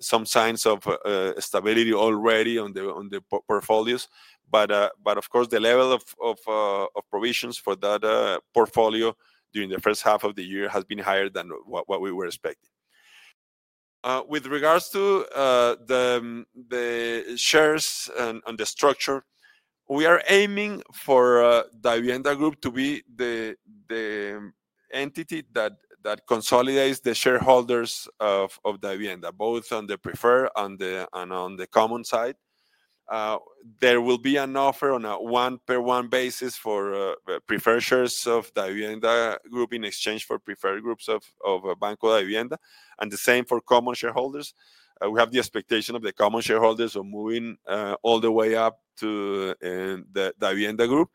some signs of stability already on the portfolios. Of course, the level of provisions for that portfolio during the first half of the year has been higher than what we were expecting. With regards to the shares and the structure, we are aiming for Davivienda Group to be the entity that consolidates the shareholders of Davivienda, both on the preferred and on the common side. There will be an offer on a one-per-one basis for preferred shares of Davivienda Group in exchange for preferred shares of Banco Davivienda, and the same for common shareholders. We have the expectation of the common shareholders moving all the way up to the Davivienda Group,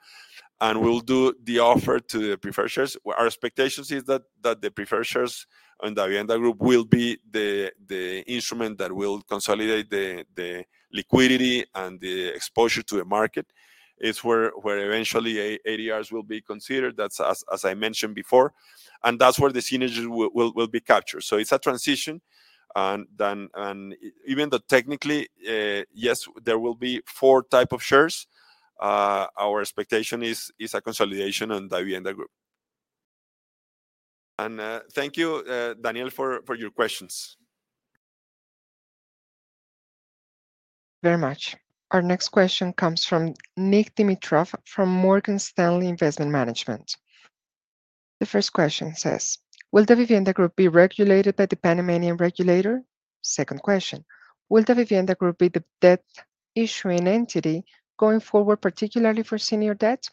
and we'll do the offer to the preferred shares. Our expectation is that the preferred shares on Davivienda Group will be the instrument that will consolidate the liquidity and the exposure to the market. It's where eventually ADRs will be considered, as I mentioned before. That's where the synergy will be captured. It's a transition, and even though technically, yes, there will be four types of shares, our expectation is a consolidation on Davivienda Group. Thank you, Daniel, for your questions. Very much. Our next question comes from Nik Dimitrov from Morgan Stanley Investment Management. The first question says, will Davivienda Group be regulated by the Panamanian regulator? The second question, will Davivienda Group be the debt issuing entity going forward, particularly for senior debt?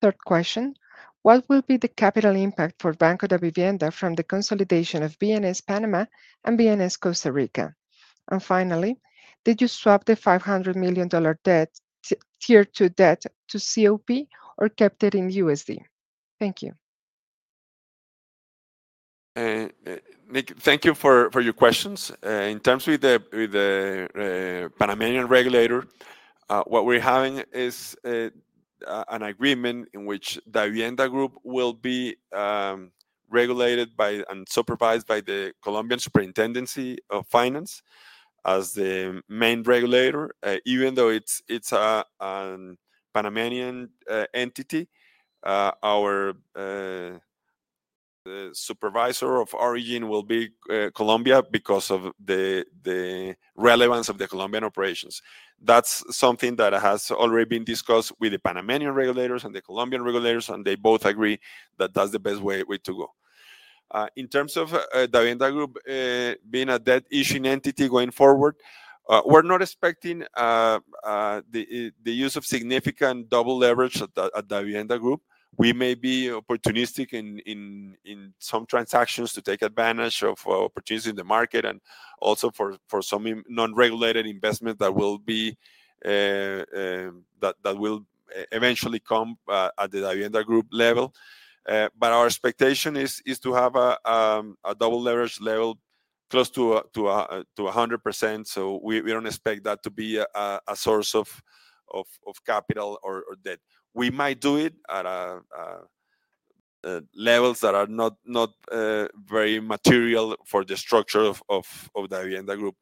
The third question, what will be the capital impact for Banco Davivienda from the consolidation of BNS Panama and BNS Costa Rica? Finally, did you swap the $500 million Tier 2 debt to COP or kept it in USD? Thank you. Nik, thank you for your questions. In terms with the Panamanian regulator, what we're having is an agreement in which Davivienda Group will be regulated by and supervised by the Colombian Superintendency of Finance as the main regulator. Even though it's a Panamanian entity, the supervisor of origin will be Colombia because of the relevance of the Colombian operations. That's something that has already been discussed with the Panamanian regulators and the Colombian regulators, and they both agree that that's the best way to go. In terms of Davivienda Group being a debt issuing entity going forward, we're not expecting the use of significant double leverage at Davivienda Group. We may be opportunistic in some transactions to take advantage of opportunities in the market and also for some non-regulated investments that will eventually come at the Davivienda Group level. Our expectation is to have a double leverage level close to 100%. We don't expect that to be a source of capital or debt. We might do it at levels that are not very material for the structure of Davivienda Group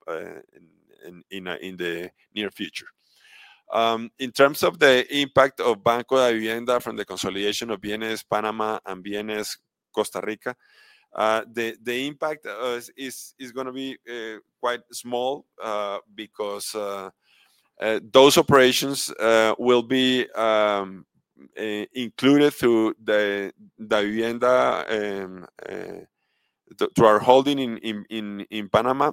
in the near future. In terms of the impact of Banco Davivienda from the consolidation of BNS Panama and BNS Costa Rica, the impact is going to be quite small because those operations will be included through our holding in Panama,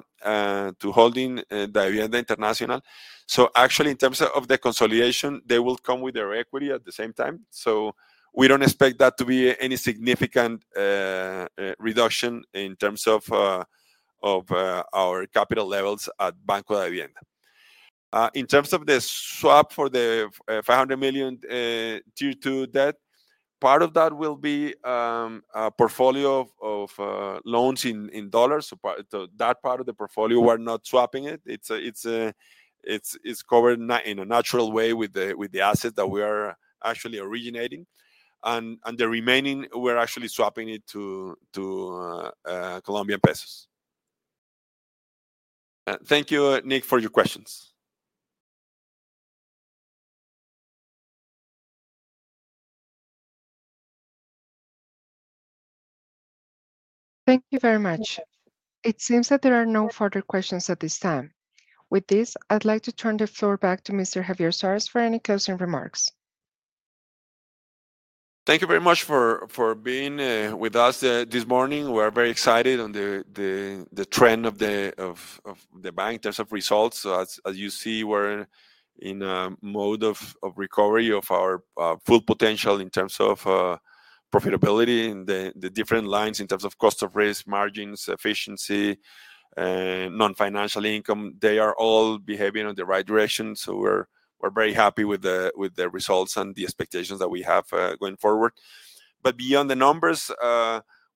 through Holding Davivienda Internacional. In terms of the consolidation, they will come with their equity at the same time. We don't expect that to be any significant reduction in terms of our capital levels at Banco Davivienda. In terms of the swap for the $500 million Tier 2 debt, part of that will be a portfolio of loans in dollars. That part of the portfolio, we're not swapping it. It's covered in a natural way with the asset that we are actually originating. The remaining, we're actually swapping it to Colombian pesos. Thank you, Nik, for your questions. Thank you very much. It seems that there are no further questions at this time. With this, I'd like to turn the floor back to Mr. Javier Suárez for any closing remarks. Thank you very much for being with us this morning. We are very excited on the trend of the bank in terms of results. As you see, we're in a mode of recovery of our full potential in terms of profitability in the different lines in terms of cost of risk, margins, efficiency, non-financial income. They are all behaving in the right direction. We're very happy with the results and the expectations that we have going forward. Beyond the numbers,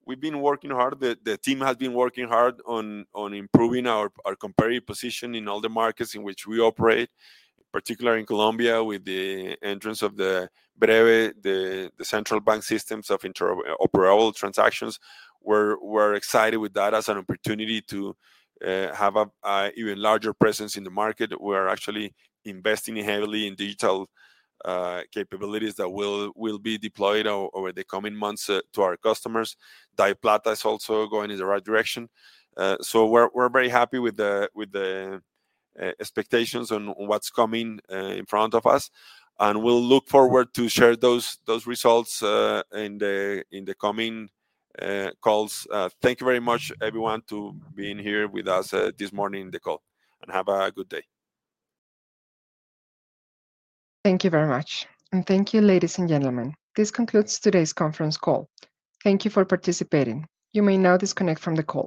we've been working hard. The team has been working hard on improving our comparative position in all the markets in which we operate, particularly in Colombia with the entrance of the Bre-B, the central bank systems of interoperable transactions. We're excited with that as an opportunity to have an even larger presence in the market. We are actually investing heavily in digital capabilities that will be deployed over the coming months to our customers. DaviPlata is also going in the right direction, so we're very happy with the expectations on what's coming in front of us. We look forward to share those results in the coming calls. Thank you very much, everyone, for being here with us this morning in the call. Have a good day. Thank you very much. Thank you, ladies and gentlemen. This concludes today's conference call. Thank you for participating. You may now disconnect from the call.